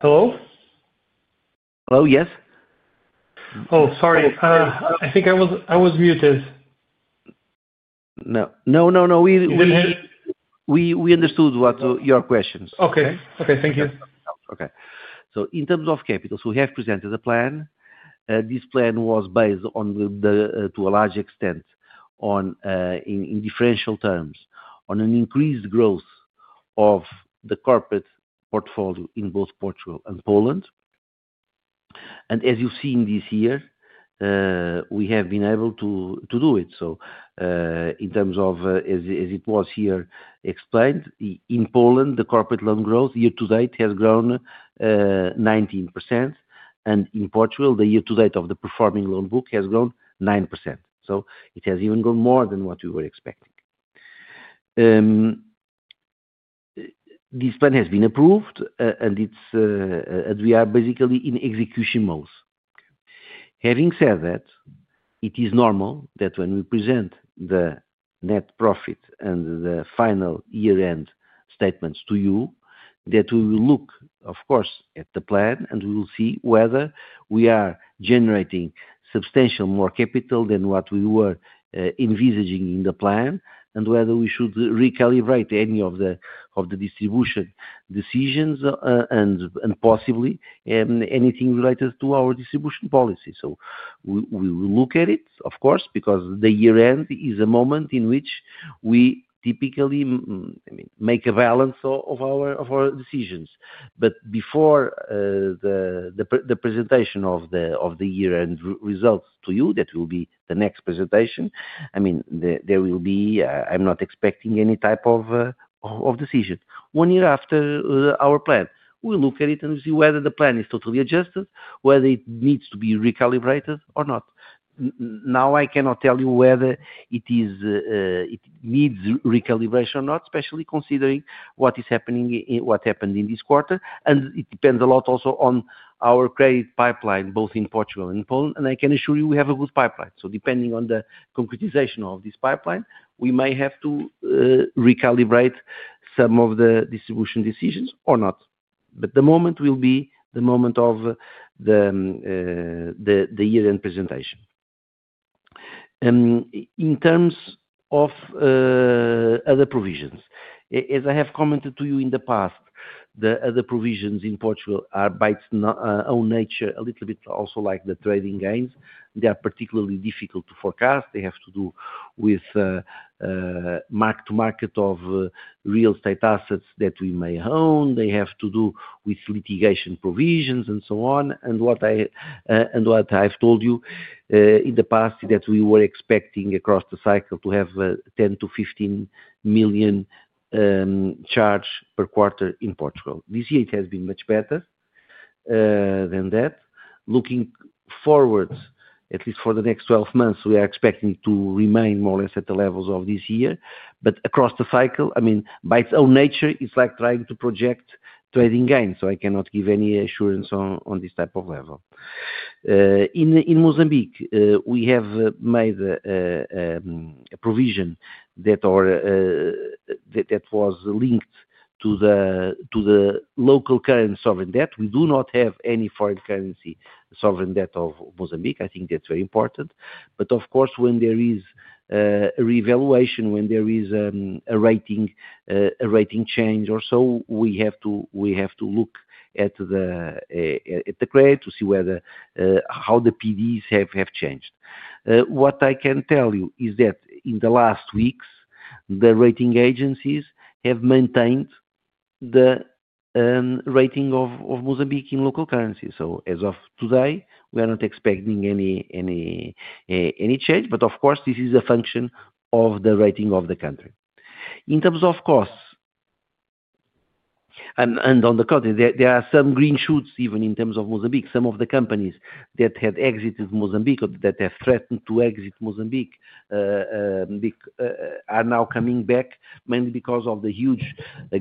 Sam. Hello? Hello. Yes. Sorry, I think I was muted. No, no, we understood your questions. Okay, thank you. In terms of capital, we have presented a plan. This plan was based, to a large extent, on, in differential terms, an increased growth of the corporate portfolio in both Portugal and Poland. As you've seen, this year we have been able to do it. In terms of, as it was explained here, in Poland the corporate loan growth year to date has grown 19% and in Portugal the year to date of the performing loan book has grown 9%. It has even gone more than what we were expecting. This plan has been approved and we are basically in execution mode. Having said that, it is normal that when we present the net profit and the final year end statements to you, we will look, of course, at the plan and we will see whether we are generating substantially more capital than what we were envisaging in the plan and whether we should recalibrate any of the distribution decisions and possibly anything related to our distribution policy. We will look at it, of course, because the year end is a moment in which we typically make a balance of our decisions. Before the presentation of the year end results to you, that will be the next presentation. I am not expecting any type of decision. One year after our plan, we look at it and see whether the plan is totally adjusted, whether it needs to be recalibrated or not. Now I cannot tell you whether it needs recalibration or not, especially considering what is happening, what happened in this quarter. It depends a lot also on our credit pipeline, both in Portugal and Poland. I can assure you we have a good pipeline. Depending on the concretization of this pipeline, we may have to recalibrate some of the distribution decisions or not. The moment will be the moment of the year end presentation. In terms of other provisions, as I have commented to you in the past, the other provisions in Portugal are by their own nature a little bit also like the trading gains. They are particularly difficult to forecast. They have to do with mark to market of real estate assets that we may own. They have to do with litigation provisions and so on. What I've told you in the past is that we were expecting across the cycle to have 10 million-15 million charge per quarter in Portugal. This year it has been much better than that. Looking forward, at least for the next 12 months, we are expecting to remain more or less at the levels of this year, but across the cycle, I mean, by its own nature, it's like trying to project trading gains. I cannot give any assurance on this type of level. In Mozambique, we have made provision that was linked to the local current sovereign debt. We do not have any foreign currency sovereign debt of Mozambique. I think that's very important. Of course, when there is reevaluation, when there is a rating change or so, we have to look at the credit to see whether how the PDs have changed. What I can tell you is that in the last weeks the rating agencies have maintained the rating of Mozambique in local currency. As of today, we are not expecting any change. Of course, this is a function of the rating of the country in terms of costs and on the context. There are some green shoots even in terms of Mozambique. Some of the companies that had exited Mozambique, that have threatened to exit Mozambique, are now coming back, mainly because of the huge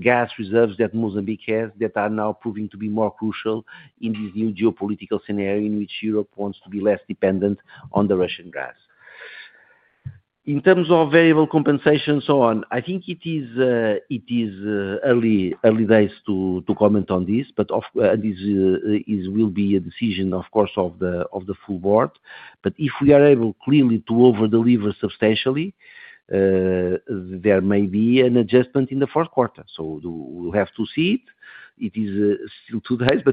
gas reserves that Mozambique has that are now proving to be more crucial in this new geopolitical scenario in which Europe wants to be less dependent on the Russian gas. In terms of variable compensation, so on, I think it is early days to comment on this, but this will be a decision of course of the full board. If we are able clearly to over deliver substantially, there may be an adjustment in the fourth quarter, so we'll have to see it. It is still too high.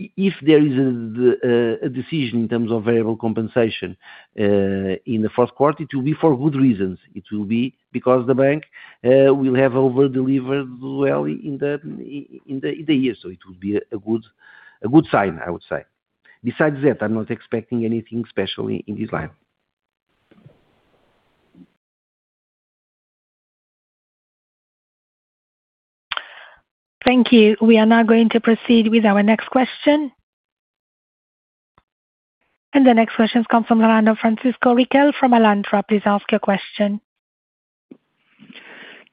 If there is a decision in terms of variable compensation in the fourth quarter, it will be for good reasons. It will be because the bank will have over delivered well in the year. It would be a good sign, I would say. Besides that, I'm not expecting anything special in this line. Thank you. We are now going to proceed with our next question. The next question comes from Francisco Riquel from Alantra. Please ask your question.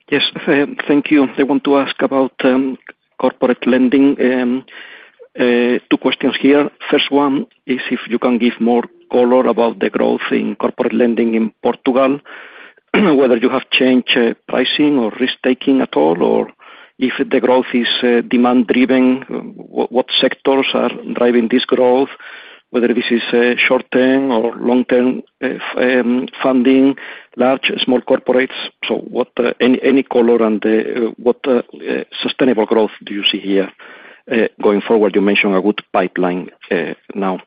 Yes, thank you. They want to ask about corporate lending. Two questions here. First one is if you can give more color about the growth in corporate lending in Portugal. Whether you have changed pricing or risk taking at all, or if the growth is demand driven. What sectors are driving this growth, whether this is short term or long term funding, large, small corporates, so what? Any color. What sustainable growth do you see here going forward? You mentioned a good pipeline now.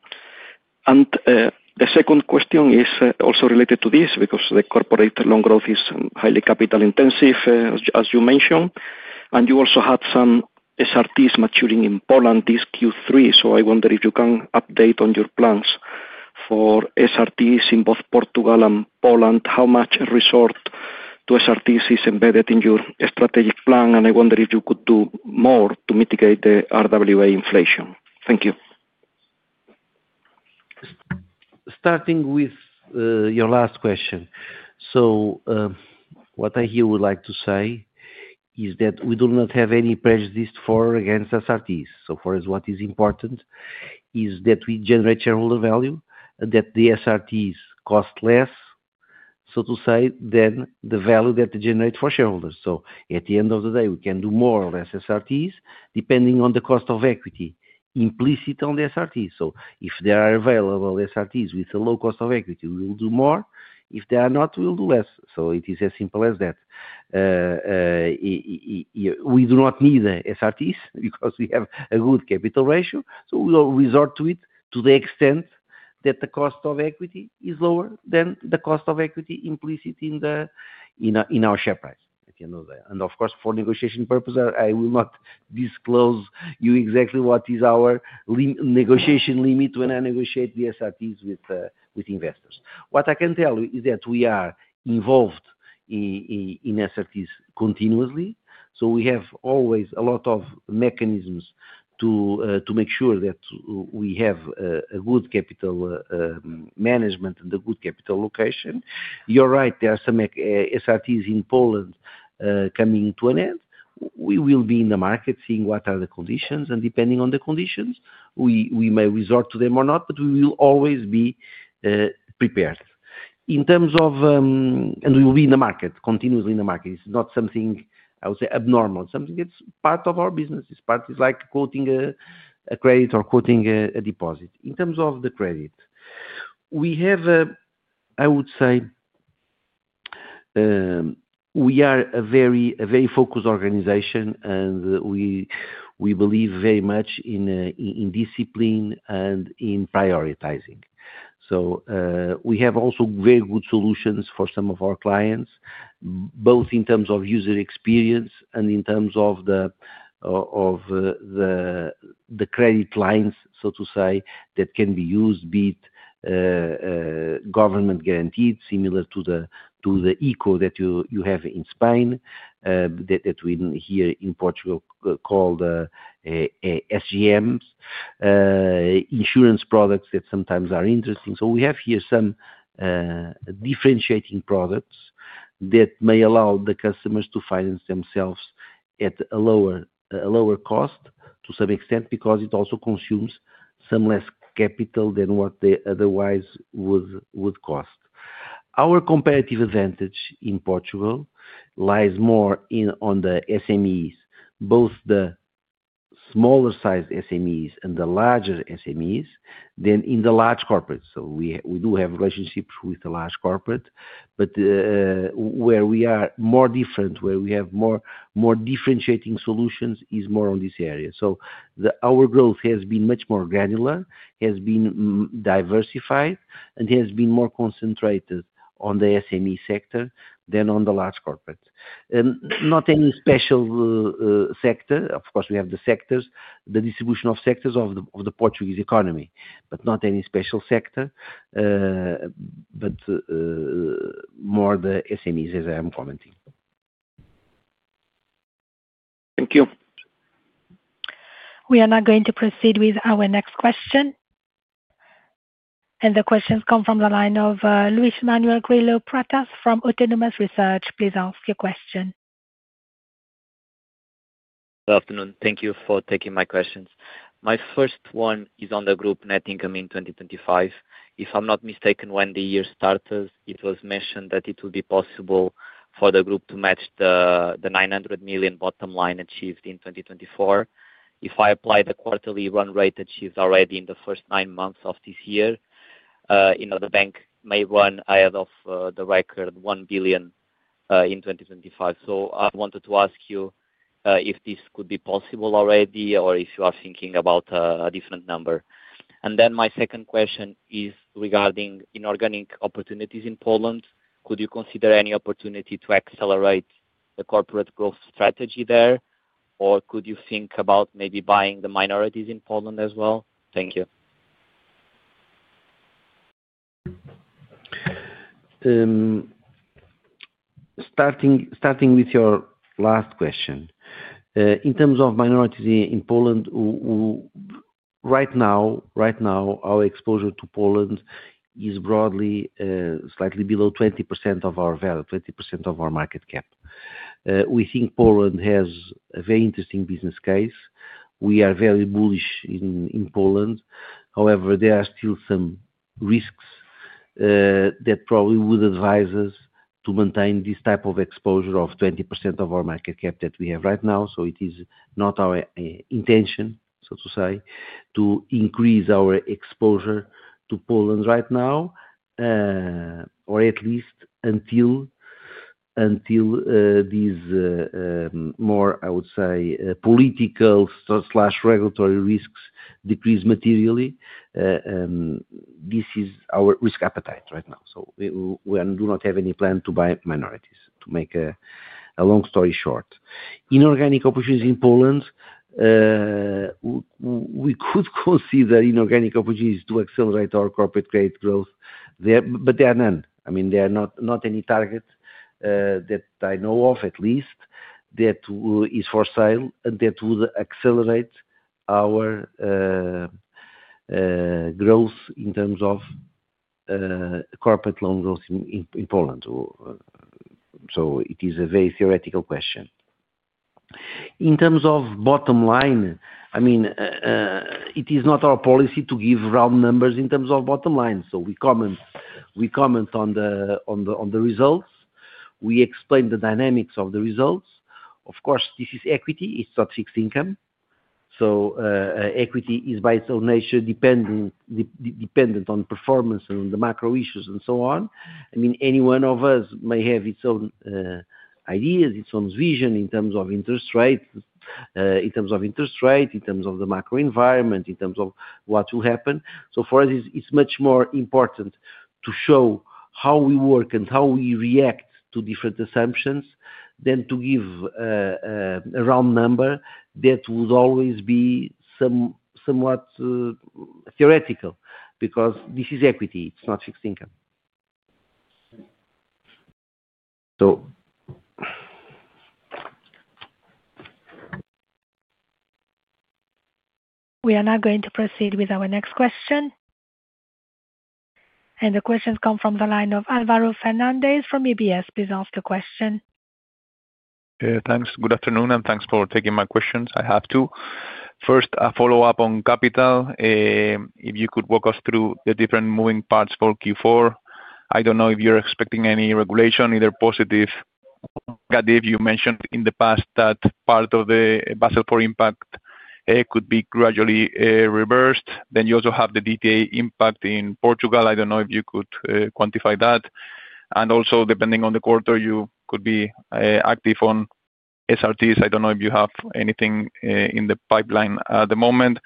The second question is also related to this because the corporate loan growth is. Highly capital intensive as you mentioned. You also had some SRTs maturing in Poland this Q3. I wonder if you can update on your plans for SRTs in both Portugal and Poland. Poland, how much resort to SRT is. Embedded in your strategic plan.I wonder if you could do more to mitigate the RWA inflation. Thank you. Starting with your last question, what I here would like to say is that we do not have any prejudice for or against SRTs. What is important is that we generate shareholder value, that the SRTs cost less, so to say, than the value that they generate for shareholders. At the end of the day, we can do more on SRTs depending on the cost of equity implicit on the SRT. If there are available SRTs with a low cost of equity, we will do more. If they are not, we will do less. It is as simple as that. We do not need SRTs because we have a good capital ratio. We will resort to it to the extent that the cost of equity is lower than the cost of equity implicit in our share price. Of course, for negotiation purposes, I will not disclose to you exactly what is our negotiation limit when I negotiate the SRTs with investors. What I can tell you is that we are involved in SRTs continuously. We have always a lot of mechanisms to make sure that we have good capital management and good capital allocation. You're right, there are some SRTs in Poland coming to an end. We will be in the market, seeing what are the conditions, and depending on the conditions, we may resort to them or not, but we will always be prepared. We will be in the market continuously. In the market, it's not something, I would say, abnormal. It's part of our business. It's like quoting a credit or quoting a deposit. In terms of the credit, I would say we are a very focused organization and we believe very much in discipline and in prioritizing. We have also very good solutions for some of our clients, both in terms of user experience and in terms of the credit lines, so to say, that can be used, be it government guaranteed, similar to the ECO that you have in Spain, that we here in Portugal call SGMs. Insurance products that sometimes are interesting. We have here some differentiating products that may allow the customers to finance themselves at a lower cost to some extent, because it also consumes some less capital than what they otherwise would cost. Our competitive advantage in Portugal lies more in the SMEs, both the smaller sized SMEs and the larger SMEs, than in the large corporate. We do have relationships with a large corporate, but where we are more different, where we have more differentiating solutions, is more on this area. Our growth has been much more granular, has been diversified, and has been more concentrated on the SME segment than on the large corporate. Not any special sector. Of course, we have the sectors, the distribution of sectors of the Portuguese economy, but not any special sector, but more the SMEs as I am commenting. Thank you. We are now going to proceed with our next question. The questions come from the line of [Luis Emanuel Grillo Pratas] from Autonomous Research. Please ask your question. Good afternoon. Thank you for taking my questions. My first one is on the group net income in 2025. If I'm not mistaken, when the year started it was mentioned that it would be possible for the group to match the 900 million bottom line achieved in 2024. If I apply the quarterly run rate achieved already in the first nine months of this year, you know, the bank may run ahead of the record 1 billion in 2025. I wanted to ask you if this could be possible already or if you are thinking about a different number. My second question is regarding inorganic opportunities in Poland. Could you consider any opportunity to accelerate the corporate growth strategy there or could you think about maybe buying the minorities in Poland as well? Thank you. Starting with your last question. In terms of minorities in Poland right now, our exposure to Poland is broadly slightly below 20% of our value, 20% of our market cap. We think Poland has a very interesting business case. We are very bullish in Poland. However, there are still some risks that probably would advise us to maintain this type of exposure of 20% of our market cap that we have right now. It is not our intention, so to say, to increase our exposure to Poland right now, or at least until these more, I would say, political regulatory risks decrease materially. This is our risk appetite right now. We do not have any plan to buy minorities. To make a long story short, inorganic opportunities in Poland, we could consider inorganic opportunities to accelerate our corporate grade growth, but there are none. I mean, there is not any target that I know of, at least that is for sale and that would accelerate our growth in terms of corporate loan growth in Poland. It is a very theoretical question. In terms of bottom line, it is not our policy to give round numbers in terms of bottom line. We comment on the results, we explain the dynamics of the results. Of course, this is equity, it's not fixed income. Equity is by its own nature dependent on performance and the macro issues and so on. Any one of us may have its own ideas, its own vision in terms of interest rates, in terms of interest rate, in terms of the macro environment, in terms of what will happen. For us, it's much more important to show how we work and how we react to different assumptions than to give a round number. That would always be somewhat theoretical because this is equity, it's not fixed income. We are now going to proceed with our next question. The questions come from the line of Alvaro Fernandez from EBS. Please ask your question. Thanks. Good afternoon and thanks for taking my questions. I have to first a follow up on capital. If you could walk us through the different moving parts for Q4. I don't know if you're expecting any regulation either. Positive. Gadif, you mentioned in the past that part of the Basel IV impact could be gradually reversed. You also have the DTA impact in Portugal. I don't know if you could quantify that. Also, depending on the quarter, you could be active on SRTs. I don't know if you have anything in the pipeline at the moment.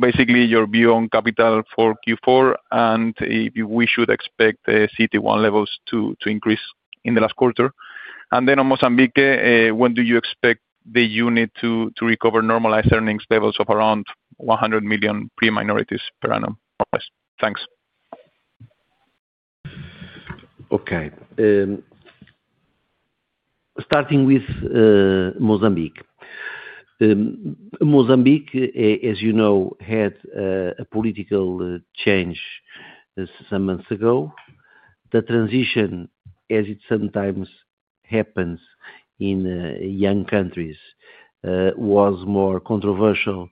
Basically, your view on capital for Q4 and if we should expect CET1 levels to increase in the last quarter. On Mozambique, when do you expect the unit to recover normalized earnings levels of around 100 million pre-minorities per annum. Thanks. Okay. Starting with Mozambique. Mozambique, as you know, had a political change some months ago. The transition, as it sometimes happens in young countries, was more controversial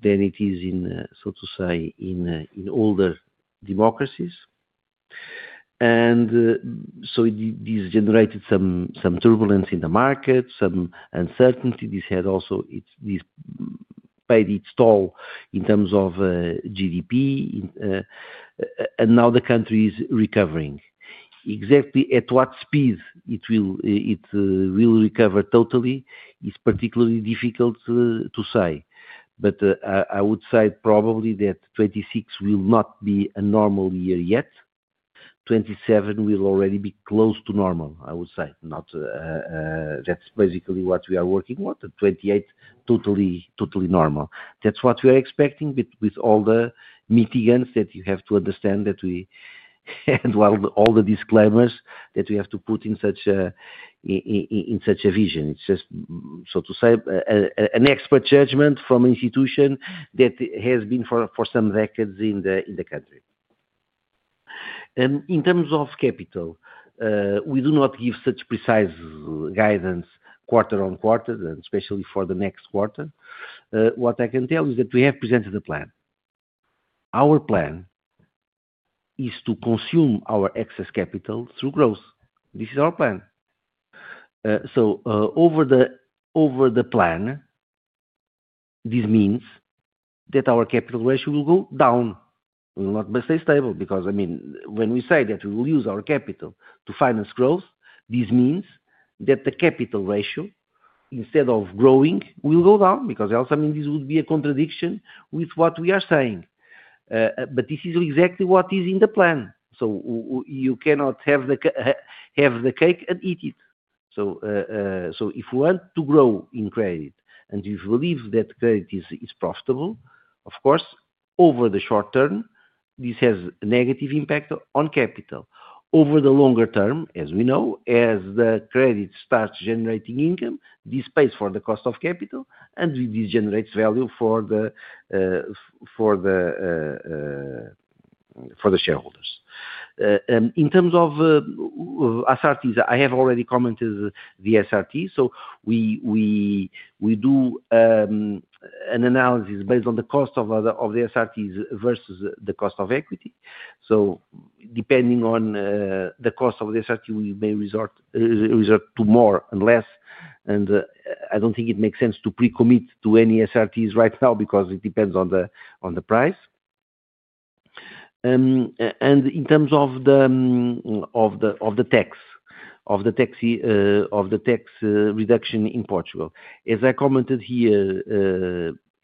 than it is in, so to say, in older democracies. This generated some turbulence in the market, some uncertainty. This had also paid its toll in terms of GDP. Now the country is recovering. Exactly at what speed it will recover totally is particularly difficult to say. I would say probably that 2026 will not be a normal year yet. 2027 will already be close to normal. I would say that's basically what we are working with. 2028, totally normal. That's what we are expecting, with all the mitigants that you have to understand that we, and all the disclaimers that we have to put in such a vision. It's just, so to say, an expert judgment from an institution that has been for some decades in the country. In terms of capital, we do not give such precise guidance quarter on quarter and especially for the next quarter. What I can tell you is that we have presented a plan. Our plan is to consume our excess capital through growth. This is our plan. Over the plan, this means that our capital ratio will go down, not stay stable. I mean, when we say that we will use our capital to finance growth, this means that the capital ratio instead of growing will go down. This would be a contradiction with what we are saying. This is exactly what is in the plan. You cannot have the cake and eat it. If we want to grow in credit, and you believe that credit is profitable, of course over the short term this has negative impact on capital. Over the longer term, as we know, as the credit starts generating income, this pays for the cost of capital and this generates value for the shareholders. In terms of SRTs, I have already commented the SRT. We do an analysis based on the cost of the SRTs versus the cost of equity. Depending on the cost of the SRT, we may resort to more and less. I don't think it makes sense to pre-commit to any SRTs right now because it depends on the price. In terms of the tax reduction in Portugal, as I commented here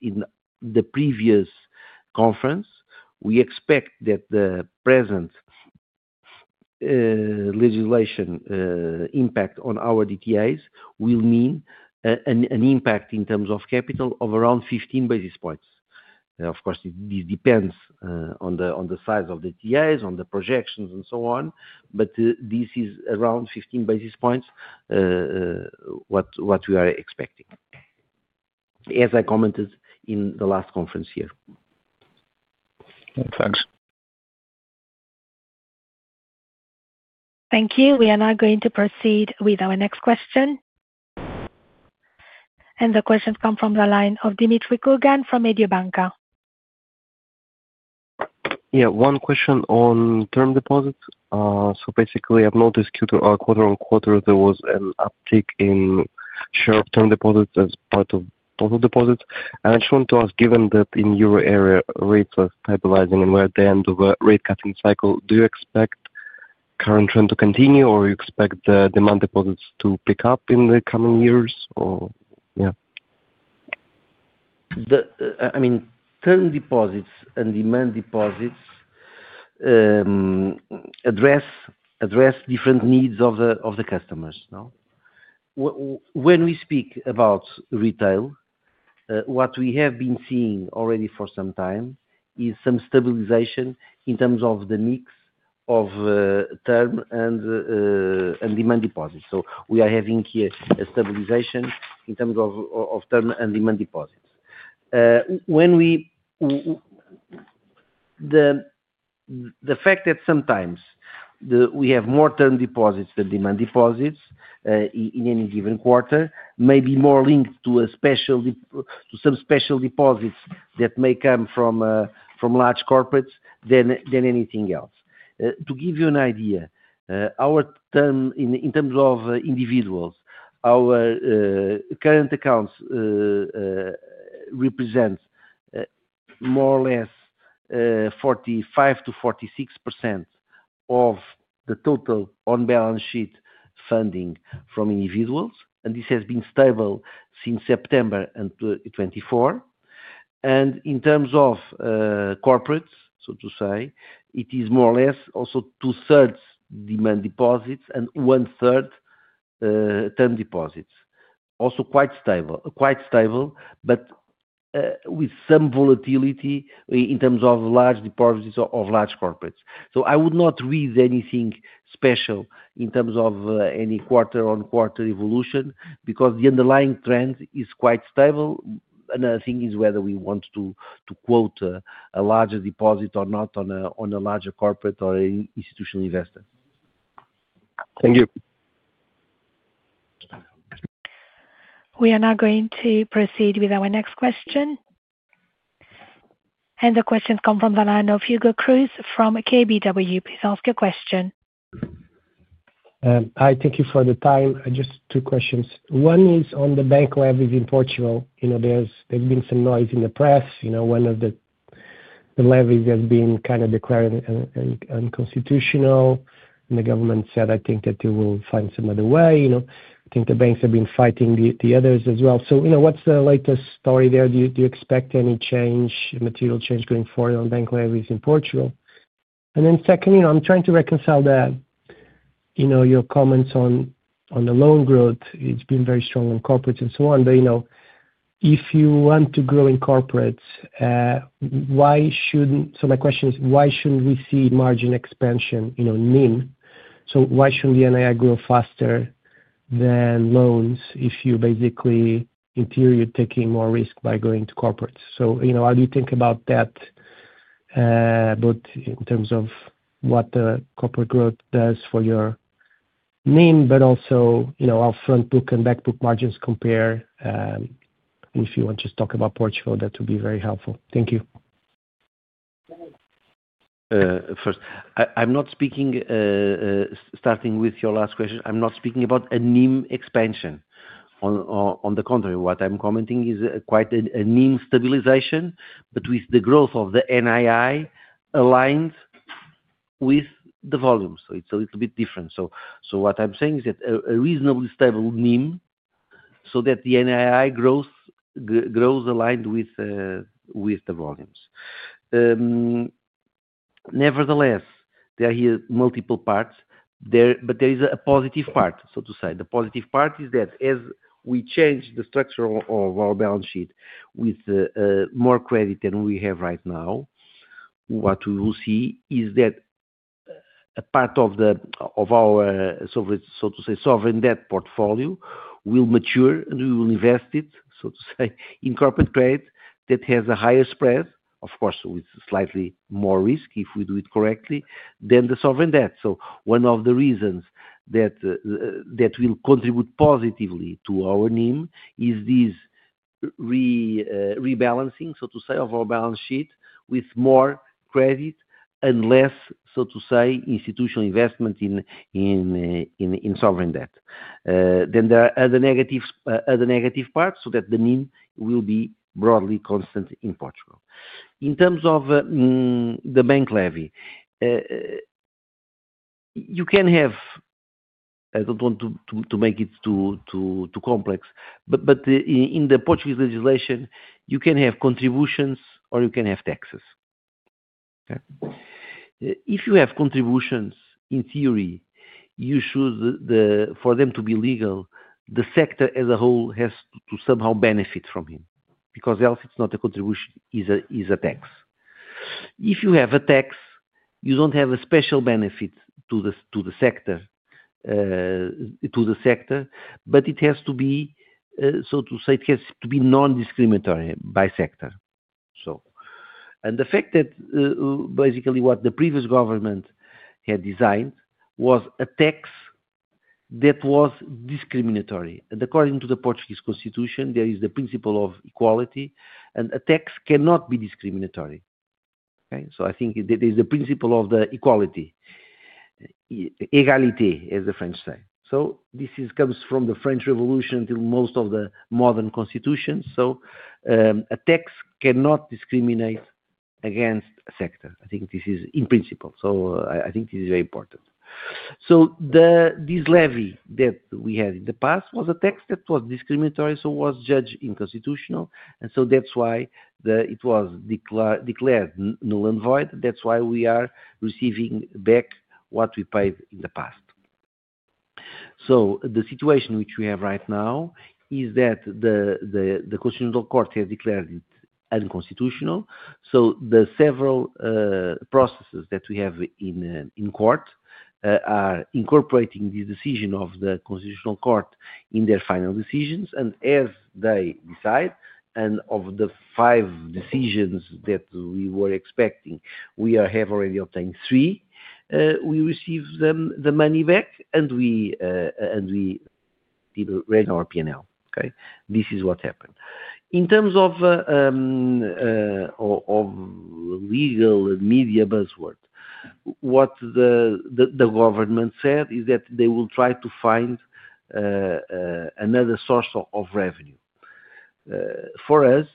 in the previous conference, we expect that the present legislation impact on our DTAs will mean an impact in terms of capital of around 15 basis points. Of course, this depends on the size of the TAs, on the projections and so on. This is around 15 basis points, what we are expecting, as I commented in the last conference here. Thanks. Thank you. We are now going to proceed with our next question. The questions come from the line of Dmitriy Kurgan from Mediobanca. Yeah, one question on term deposits. Basically, I've noticed Q2, quarter on quarter there was an uptick in share of term deposits as part of total deposits. I just want to ask, given that in euro area rates are stabilizing and we're at the end of a rate cutting cycle, do you expect current trend to continue or you expect the. Demand deposits to pick up in the coming years. Yeah, I mean term deposits and demand deposits address different needs of the customers. When we speak about retail, what we have been seeing already for some time is some stabilization in terms of the mix of term and demand deposits. We are having here a stabilization in terms of term and demand deposits. The fact that sometimes we have more term deposits than demand deposits in any given quarter may be more linked to some special deposits that may come from large corporates than anything else. To give you an idea, in terms of individuals, our current accounts represent more or less 45%-46% of the total on balance sheet funding from individuals. This has been stable since September 24th. In terms of corporates, it is more or less also 2/3 demand deposits and one-third term deposits, also quite stable, quite stable but with some volatility in terms of large deposits of large corporates. I would not read anything special in terms of any quarter-on-quarter evolution because the underlying trend is quite stable. Another thing is whether we want to quote a larger deposit or not on a larger corporate or institutional investor. Thank you. We are now going to proceed with our next question. The questions come from the line of Hugo Cruz from KBW. Please ask your question. I thank you for the time. Just two questions. One is on the bank levies in Portugal. There's been some noise in the press. One of the levies has been declared unconstitutional and the government said that they will find some other way. The banks have been fighting the others as well. What's the latest story there? Do you expect any change, material change going forward on bank levies in Portugal? Secondly, I'm trying to reconcile your comments on the loan growth, it's been very strong in corporates and so on. If you want to grow in corporates, my question is, why shouldn't we see margin expansion NIM? Why shouldn't the NII grow faster than loans if you are basically taking more risk by going to corporates? How do you think about that, both in terms of what the corporate growth does for your NIM, but also how our front book and back book margins compare? If you want to just talk about Portugal, that would be very helpful, thank you. First, starting with your last question, I'm not speaking about a NIM expansion. On the contrary, what I'm commenting is quite a NIM stabilization, but with the growth of the NII aligned with the volume, so it's a little bit different. What I'm saying is that a reasonably stable NIM so that the NII grows aligned with the volumes. Nevertheless, there are multiple parts, but there is a positive part. The positive part is that as we change the structure of our balance sheet with more credit than we have right now, what we will see is that a part of our sovereign debt portfolio will mature and we will invest it in corporate credit that has a higher spread, of course, with slightly more risk, if we do it correctly, than the sovereign debt. One of the reasons that will contribute positively to our NIM is this rebalancing of our balance sheet with more credit and less institutional investment in sovereign debt. Then there are other negative parts so that the NIM will be broadly constant in Portugal. In terms of the bank levy, I don't want to make it too complex, but in the Portuguese legislation you can have contributions or you can have taxes. If you have contributions, in theory, for them to be legal, the sector as a whole has to somehow benefit from them because else it's not a contribution, it's a tax. If you have a tax, you don't have a special benefit to the sector. It has to be, so to say, it has to be non-discriminatory by sector. The fact that basically what the previous government had designed was a tax that was discriminatory. According to the Portuguese constitution, there is the principle of equality and a tax cannot be discriminatory. I think there's a principle of equality, egalité, as the French say. This comes from the French Revolution to most of the modern constitutions. A tax cannot discriminate against a sector. I think this is in principle, so I think this is very important. This levy that we had in the past was a tax that was discriminatory, so it was judged unconstitutional. That's why it was declared null and void. That's why we are receiving back what we paid in the past. The situation which we have right now is that the Constitutional Court has declared it unconstitutional. The several processes that we have in court are incorporating the decision of the Constitutional Court in their final decisions as they decide. Of the five decisions that we were expecting, we have already obtained three. We received the money back and we ran our P&L. This is what happened. In terms of legal media buzzword, what the government said is that they will try to find another source of revenue for us.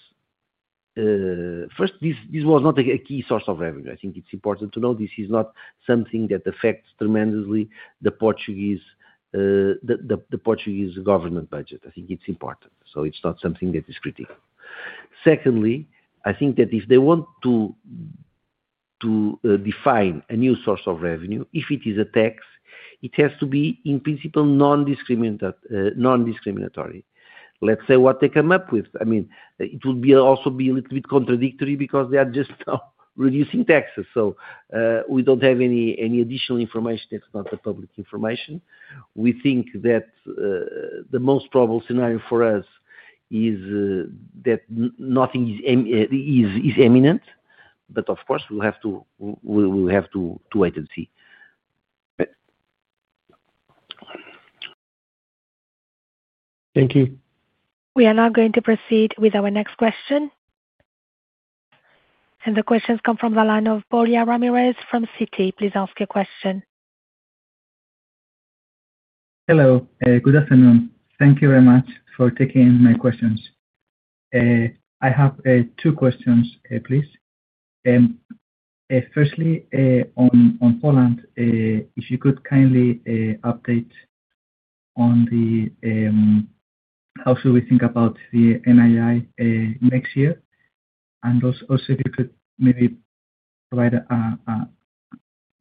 First, this was not a key source of revenue. I think it's important to know this is not something that affects tremendously the Portuguese government budget. I think it's important. It's not something that is critical. Secondly, I think that if they want to define a new source of revenue, if it is a tax, it has to be in principle non-discriminatory. Let's see what they come up with. It would also be a little bit contradictory because they are just reducing taxes. We don't have any additional information that's not the public information. We think that the most probable scenario for us is that nothing is imminent. Of course, we will have to wait and see. Thank you. We are now going to proceed with our next question. The questions come from the line of Borja Ramirez from Citi. Please ask a question. Hello, good afternoon. Thank you very much for taking my questions. I have two questions please. Firstly, on Poland, if you could kindly update on how should we think about the NII next year? If you could maybe provide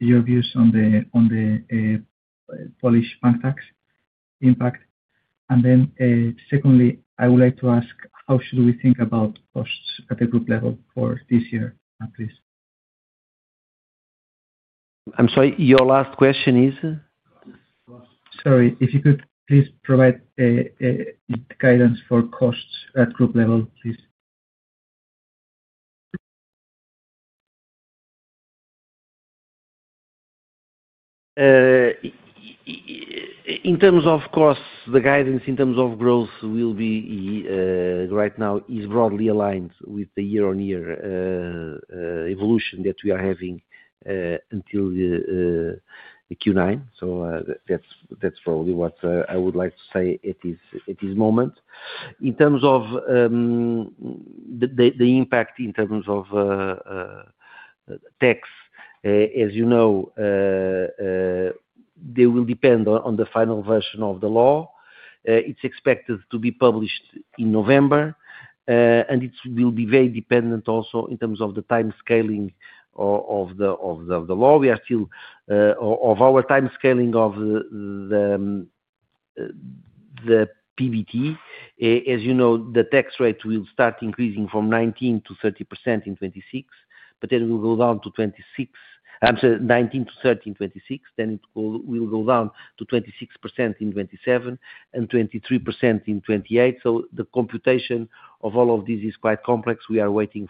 your views on the Polish bank tax impact. Secondly, I would like to ask how should we think about costs at the group level for this year, please? I'm sorry, your last question is, if you could please provide guidance. For costs at group level, please. In terms of course, the guidance in terms of growth will be right now is broadly aligned with the year-on-year evolution that we are having until Q9. That's probably what I would like to say at this moment in terms of the impact in terms of tax. As you know, they will depend on the final version of the law. It's expected to be published in November, and it will be very dependent also in terms of the time scaling of the law. We are still of our time scaling of the PBT. As you know, the tax rate will start increasing from 19% to 30% in 2026, but then it will go down to 26%. I'm sorry, 19% to 30% in 2026, then it will go down to 26% in 2027 and 23% in 2028. The computation of all of these is quite complex. We are waiting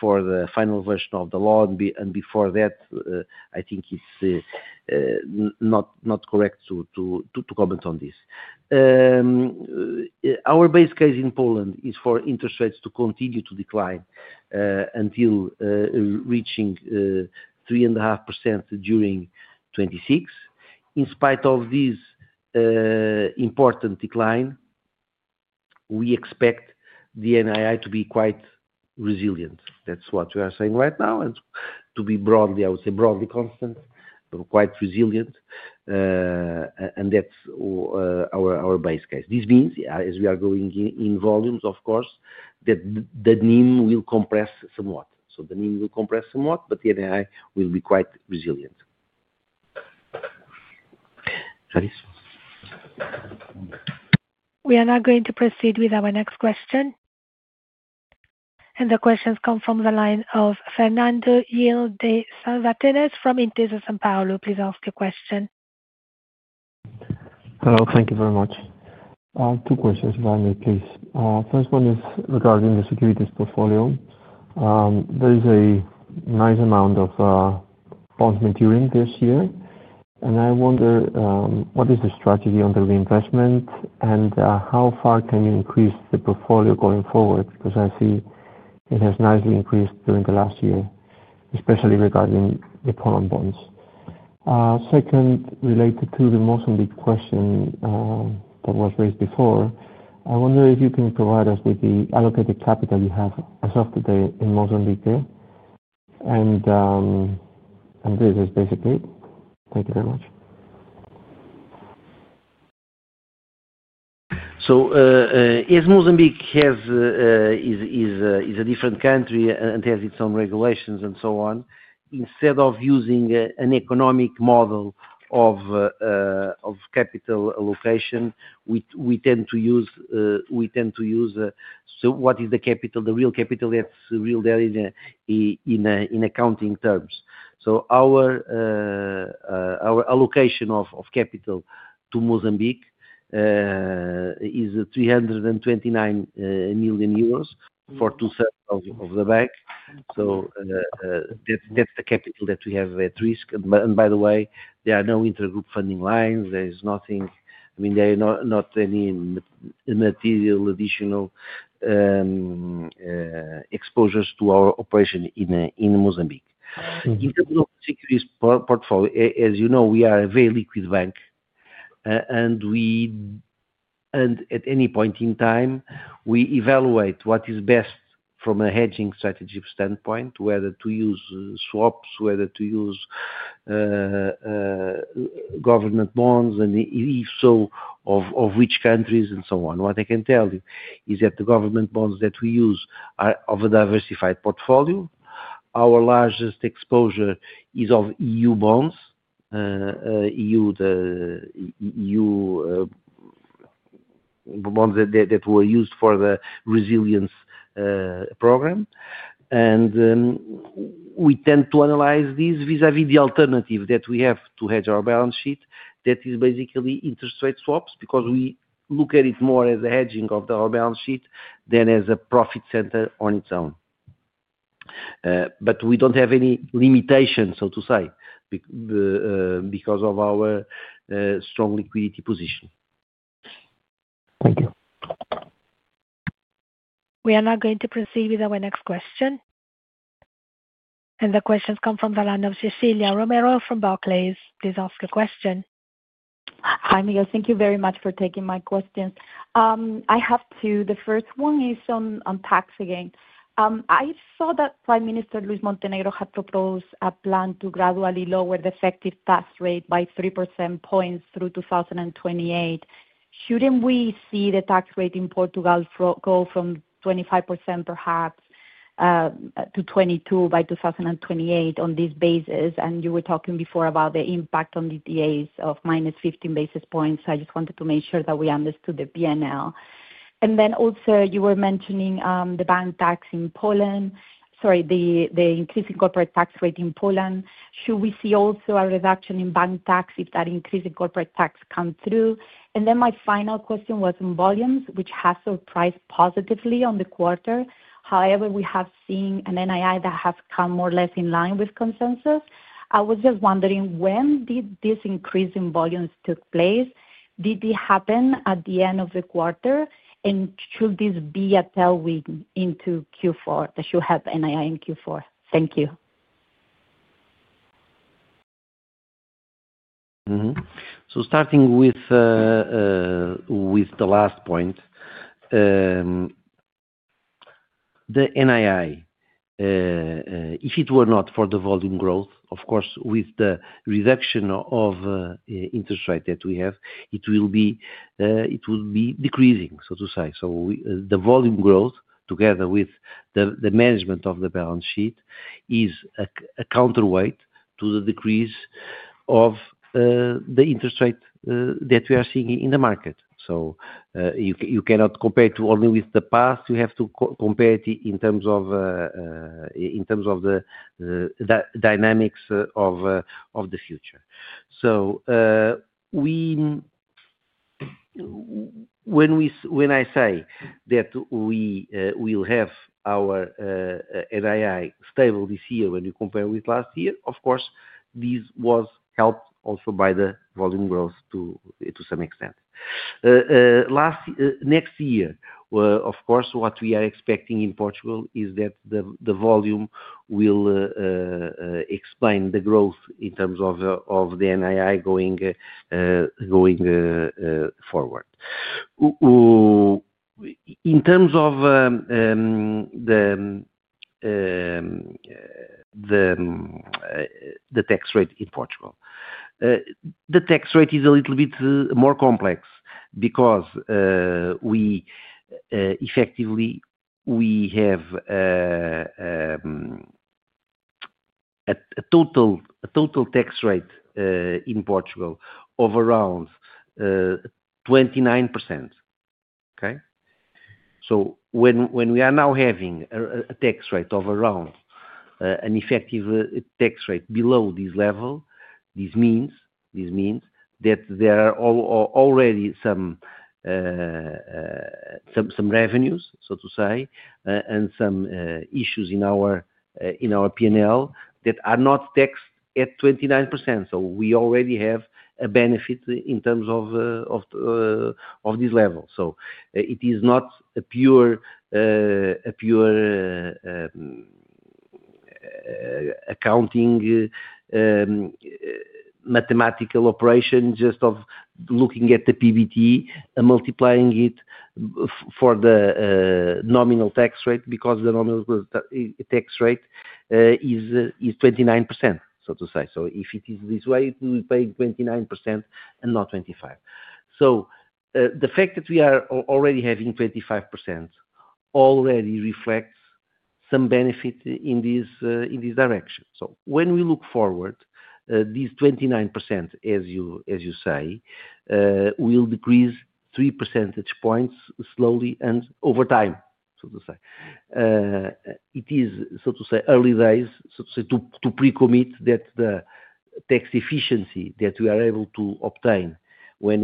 for the final version of the law, and before that I think it's not correct to comment on this. Our base case in Poland is for interest rates to continue to decline until reaching 3.5% during 2026. In spite of this important decline, we expect the NII to be quite resilient. That's what we are saying right now, and to be broadly, I would say broadly constant, but quite resilient. That's our base case. This means as we are going in volumes, of course, that the NIM will compress somewhat. The NIM will compress somewhat, but the NII will be quite resilient. We are now going to proceed with our next question. The questions come from the line of Fernando Gil de Santivañes from Intesa Sanpaolo. Please ask your question. Hello. Thank you very much. Two questions, if I may, please. First one is regarding the securities portfolio. There is a nice amount of bonds maturing this year and I wonder what is the strategy on the reinvestment and how far can you increase the portfolio going forward? Because I see it has nicely increased during the last year, especially regarding the common bonds. Second, related to the Mozambique question that was raised before, I wonder if you can provide us with the allocated capital you have as of today in Mozambique. This is basically it. Thank you very much. As Mozambique is a different country and has its own regulations and so on, instead of using an economic model of capital allocation, we tend to use what is the capital, the real capital that's real there in accounting terms. Our allocation of capital to Mozambique is 329 million euros for 2/3 of the bank. That's the capital that we have at risk. By the way, there are no intergroup funding lines. There is nothing. I mean, there are not any material additional exposures to our operation in Mozambique's portfolio. As you know, we are a very liquid bank and at any point in time we evaluate what is best from a hedging strategy standpoint, whether to use swaps, whether to use government bonds and if so, of which countries and so on. What I can tell you is that the government bonds that we use are of a diversified portfolio. Our largest exposure is of EU bonds that were used for the resilience program. We tend to analyze this vis-à-vis the alternative that we have to hedge our balance sheet, that is basically interest rate swaps, because we look at it more as a hedging of our balance sheet than as a profit center on its own. We don't have any limitations, so to say, because of our strong liquidity position. Thank you. We are now going to proceed with our next question. The questions come from the line of Cecilia Romero from Barclays. Please ask a question. Hi, Miguel. Thank you very much for taking my questions. I have two. The first one is on tax. Again, I saw that Prime Minister Luis Montenegro had proposed a plan to gradually lower the effective tax rate by 3% points through 2028. Shouldn't we see the tax rate in Portugal go from 25% perhaps to 22% by 2028 on this basis? You were talking before about the impact on DTAs of -15 basis points. I just wanted to make sure that we understood the P&L. You were mentioning the bank tax in Poland, sorry, the increasing corporate tax rate in Poland. Should we see also a reduction in bank tax if that increase in corporate tax comes through? My final question was on volumes, which has surprised positively on the quarter. However, we have seen an NII that has come more or less in line with consensus. I was just wondering when did this increase in volumes take place? Did it happen at the end of the quarter? Should this be a tailwind into Q4? The shoehep NII in Q4. Thank you. Starting with the last point, the NII, if it were not for the volume growth, of course with the reduction of interest rate that we have, it will be decreasing, so to say. The volume growth together with the management of the balance sheet is a counterweight to the decrease of the interest rate that we are seeing in the market. You cannot compare only with the past. You have to compare it in terms of the dynamics of the future. When I say that we will have our NII stable this year, when you compare with last year, of course, this was helped also by the volume growth to some extent next year. What we are expecting in Portugal is that the volume will explain the growth in terms of the NII going forward. In terms of the tax rate in Portugal, the tax rate is a little bit more complex because we effectively have a total tax rate in Portugal of around 29%. When we are now having a tax rate of around an effective tax rate below this level, this means that there are already some revenues, so to say, and some issues in our P&L that are not taxed at 29%. We already have a benefit in terms of this level. It is not a pure accounting mathematical operation, just of looking at the PBT, multiplying it for the nominal tax rate, because the nominal tax rate is 29%, so to say. If it is this way, we pay 29% and not 25%. The fact that we are already having 25% already reflects some benefit in this direction. When we look forward, these 29%, as you say, will decrease 3 percentage points slowly and over time, so to say, it is early days to pre-commit that the tax efficiency that we are able to obtain by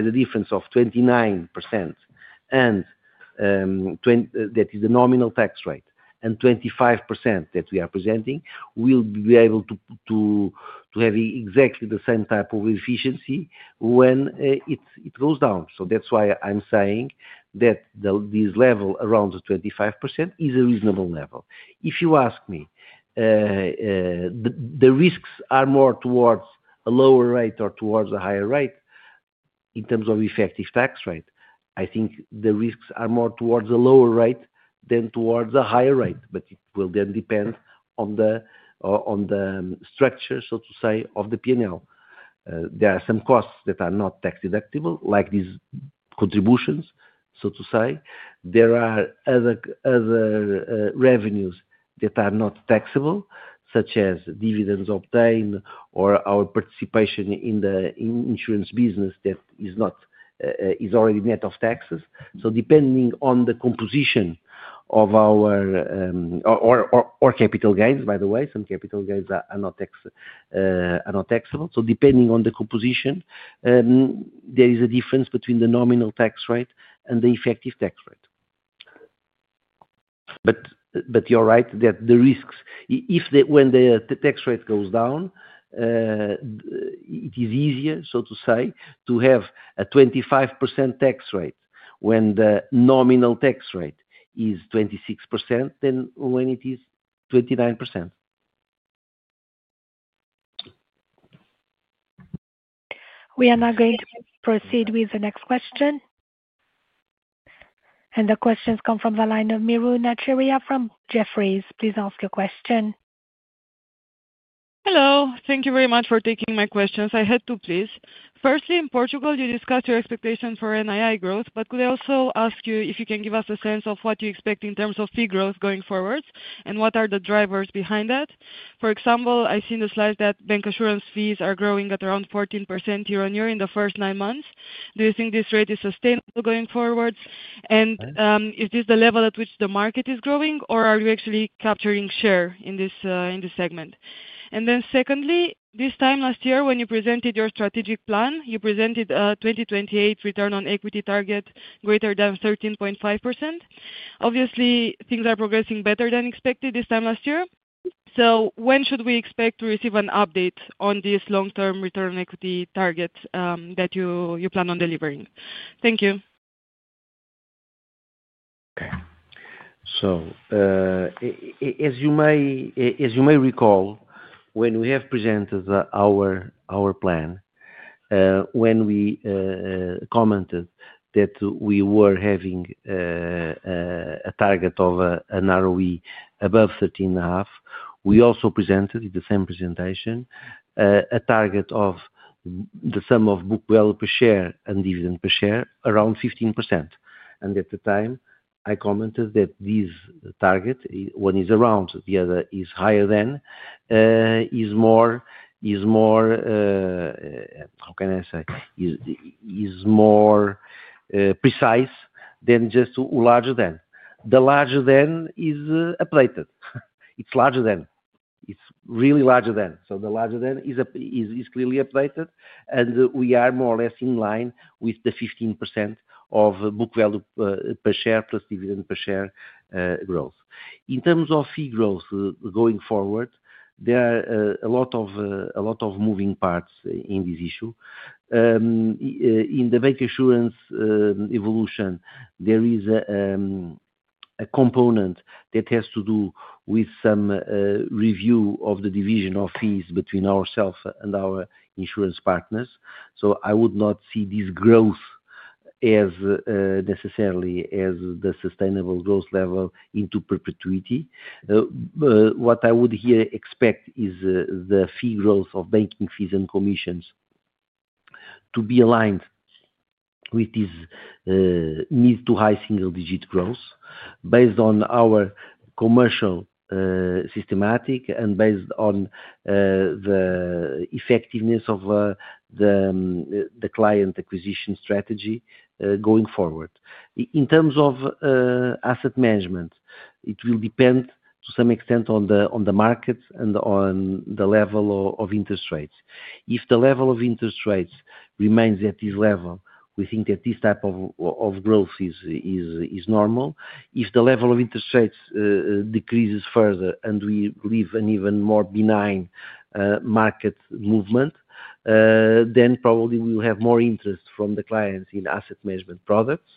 the difference of 29% and that is the nominal tax rate and 25% that we are presenting or will be able to have exactly the same type of efficiency when it goes down. That's why I'm saying that this level around 25% is a reasonable level. If you ask me, the risks are more towards a lower rate or towards a higher rate. In terms of effective tax rate, I think the risks are more towards a lower rate than towards a higher rate. It will then depend on the structure, so to say, of the P&L. There are some costs that are not tax deductible, like these contributions, so to say. There are other revenues that are not taxable, such as dividends obtained or our participation in the insurance business that is not taxable, is already net of taxes. Depending on the composition of our capital gains, by the way, some capital gains are not taxable. Depending on the composition, there is a difference between the nominal tax rate and the effective tax rate. You're right that the risks when the tax rate goes down, it is easier, so to say, to have a 25% tax rate when the nominal tax rate is 26% than when it is 29%. We are now going to proceed with the next question. The questions come from the line of Miruna Chirea from Jefferies. Please ask a question. Hello. Thank you very much for taking my questions. I had two, please. Firstly, in Portugal you discussed your expectations for NII growth, but could I also ask you if you can give us a sense of what you expect in terms of fee growth going forward and what are the drivers behind that. For example, I see in the slide that bancassurance fees are growing at around 14% year on year in the first nine months. Do you think this rate is sustainable going forward? Is this the level at which. Is the market growing or are you actually capturing share in this segment? Secondly, this time last year when you presented your strategic plan, you presented a 2028 return on equity target greater than 13.5%. Obviously, things are progressing better than expected this time last year. When should we expect to receive an update on this long term return on equity target that you plan on delivering? Thank you. Okay, as you may recall when we have presented our plan, when we commented that we were having a target of an ROE above 13.5%, we also presented in the same presentation a target of the sum of book value per share and dividend per share, around 15%. At the time I commented that this target, one is around, the other is higher than, is more, is more, how can I say, is more precise than just larger than. The larger than is updated. It's larger than, it's really larger than. The larger than is clearly updated and we are more or less in line with the 15% of book value per share plus dividend per share growth. In terms of fee growth going forward, there are a lot of moving parts in this issue. In the bancassurance evolution, there is a component that has to do with some review of the division of fees between ourselves and our insurance partners. I would not see this growth as necessarily as the sustainable growth level into perpetuity. What I would here expect is the fee growth of banking fees and commissions to be aligned with this mid to high single digit growth based on our commercial systematic and based on the effectiveness of the client acquisition strategy going forward. In terms of asset management, it will depend to some extent on the markets and on the level of interest rates. If the level of interest rates remains at this level, we think that this type of growth is normal. If the level of interest rates decreases further and we live in an even more benign market movement, then probably we will have more interest from the clients in asset management products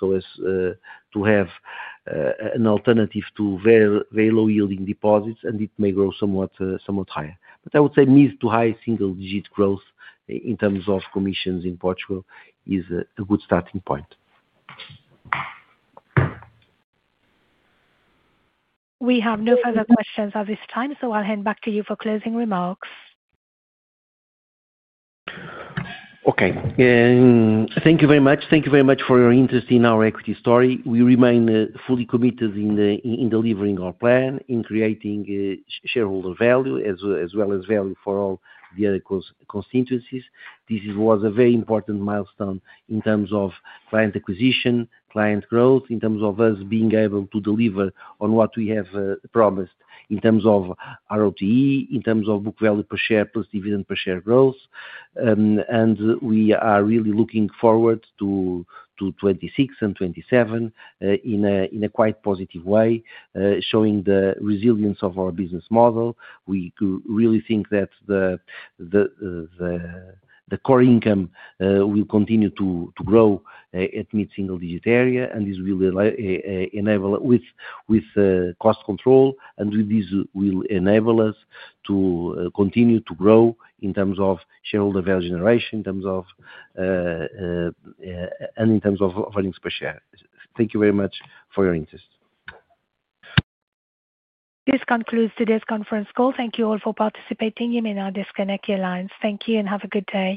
so as to have an alternative to very low yielding deposits, and it may grow somewhat higher. I would say mid to high single digit growth in terms of commissions in Portugal is a good starting point. We have no further questions at this time, so I'll hand back to you for closing remarks. Okay, thank you very much. Thank you very much for your interest in our equity story. We remain fully committed in delivering our plan in creating shareholder value as well as value for all the other constituencies. This was a very important milestone in terms of client acquisition, client growth, in terms of us being able to deliver on what we have promised in terms of ROTE, in terms of book value per share plus dividend per share growth. We are really looking forward to 2026 and 2027 in a quite positive way, showing the resilience of our business model. We really think that the core income will continue to grow at mid single digit area and this will enable with cost control and this will enable us to continue to grow in terms of shareholder value generation and in terms of earnings per share. Thank you very much for your interest. This concludes today's conference call. Thank you all for participating. You may now disconnect your lines. Thank you and have a good day.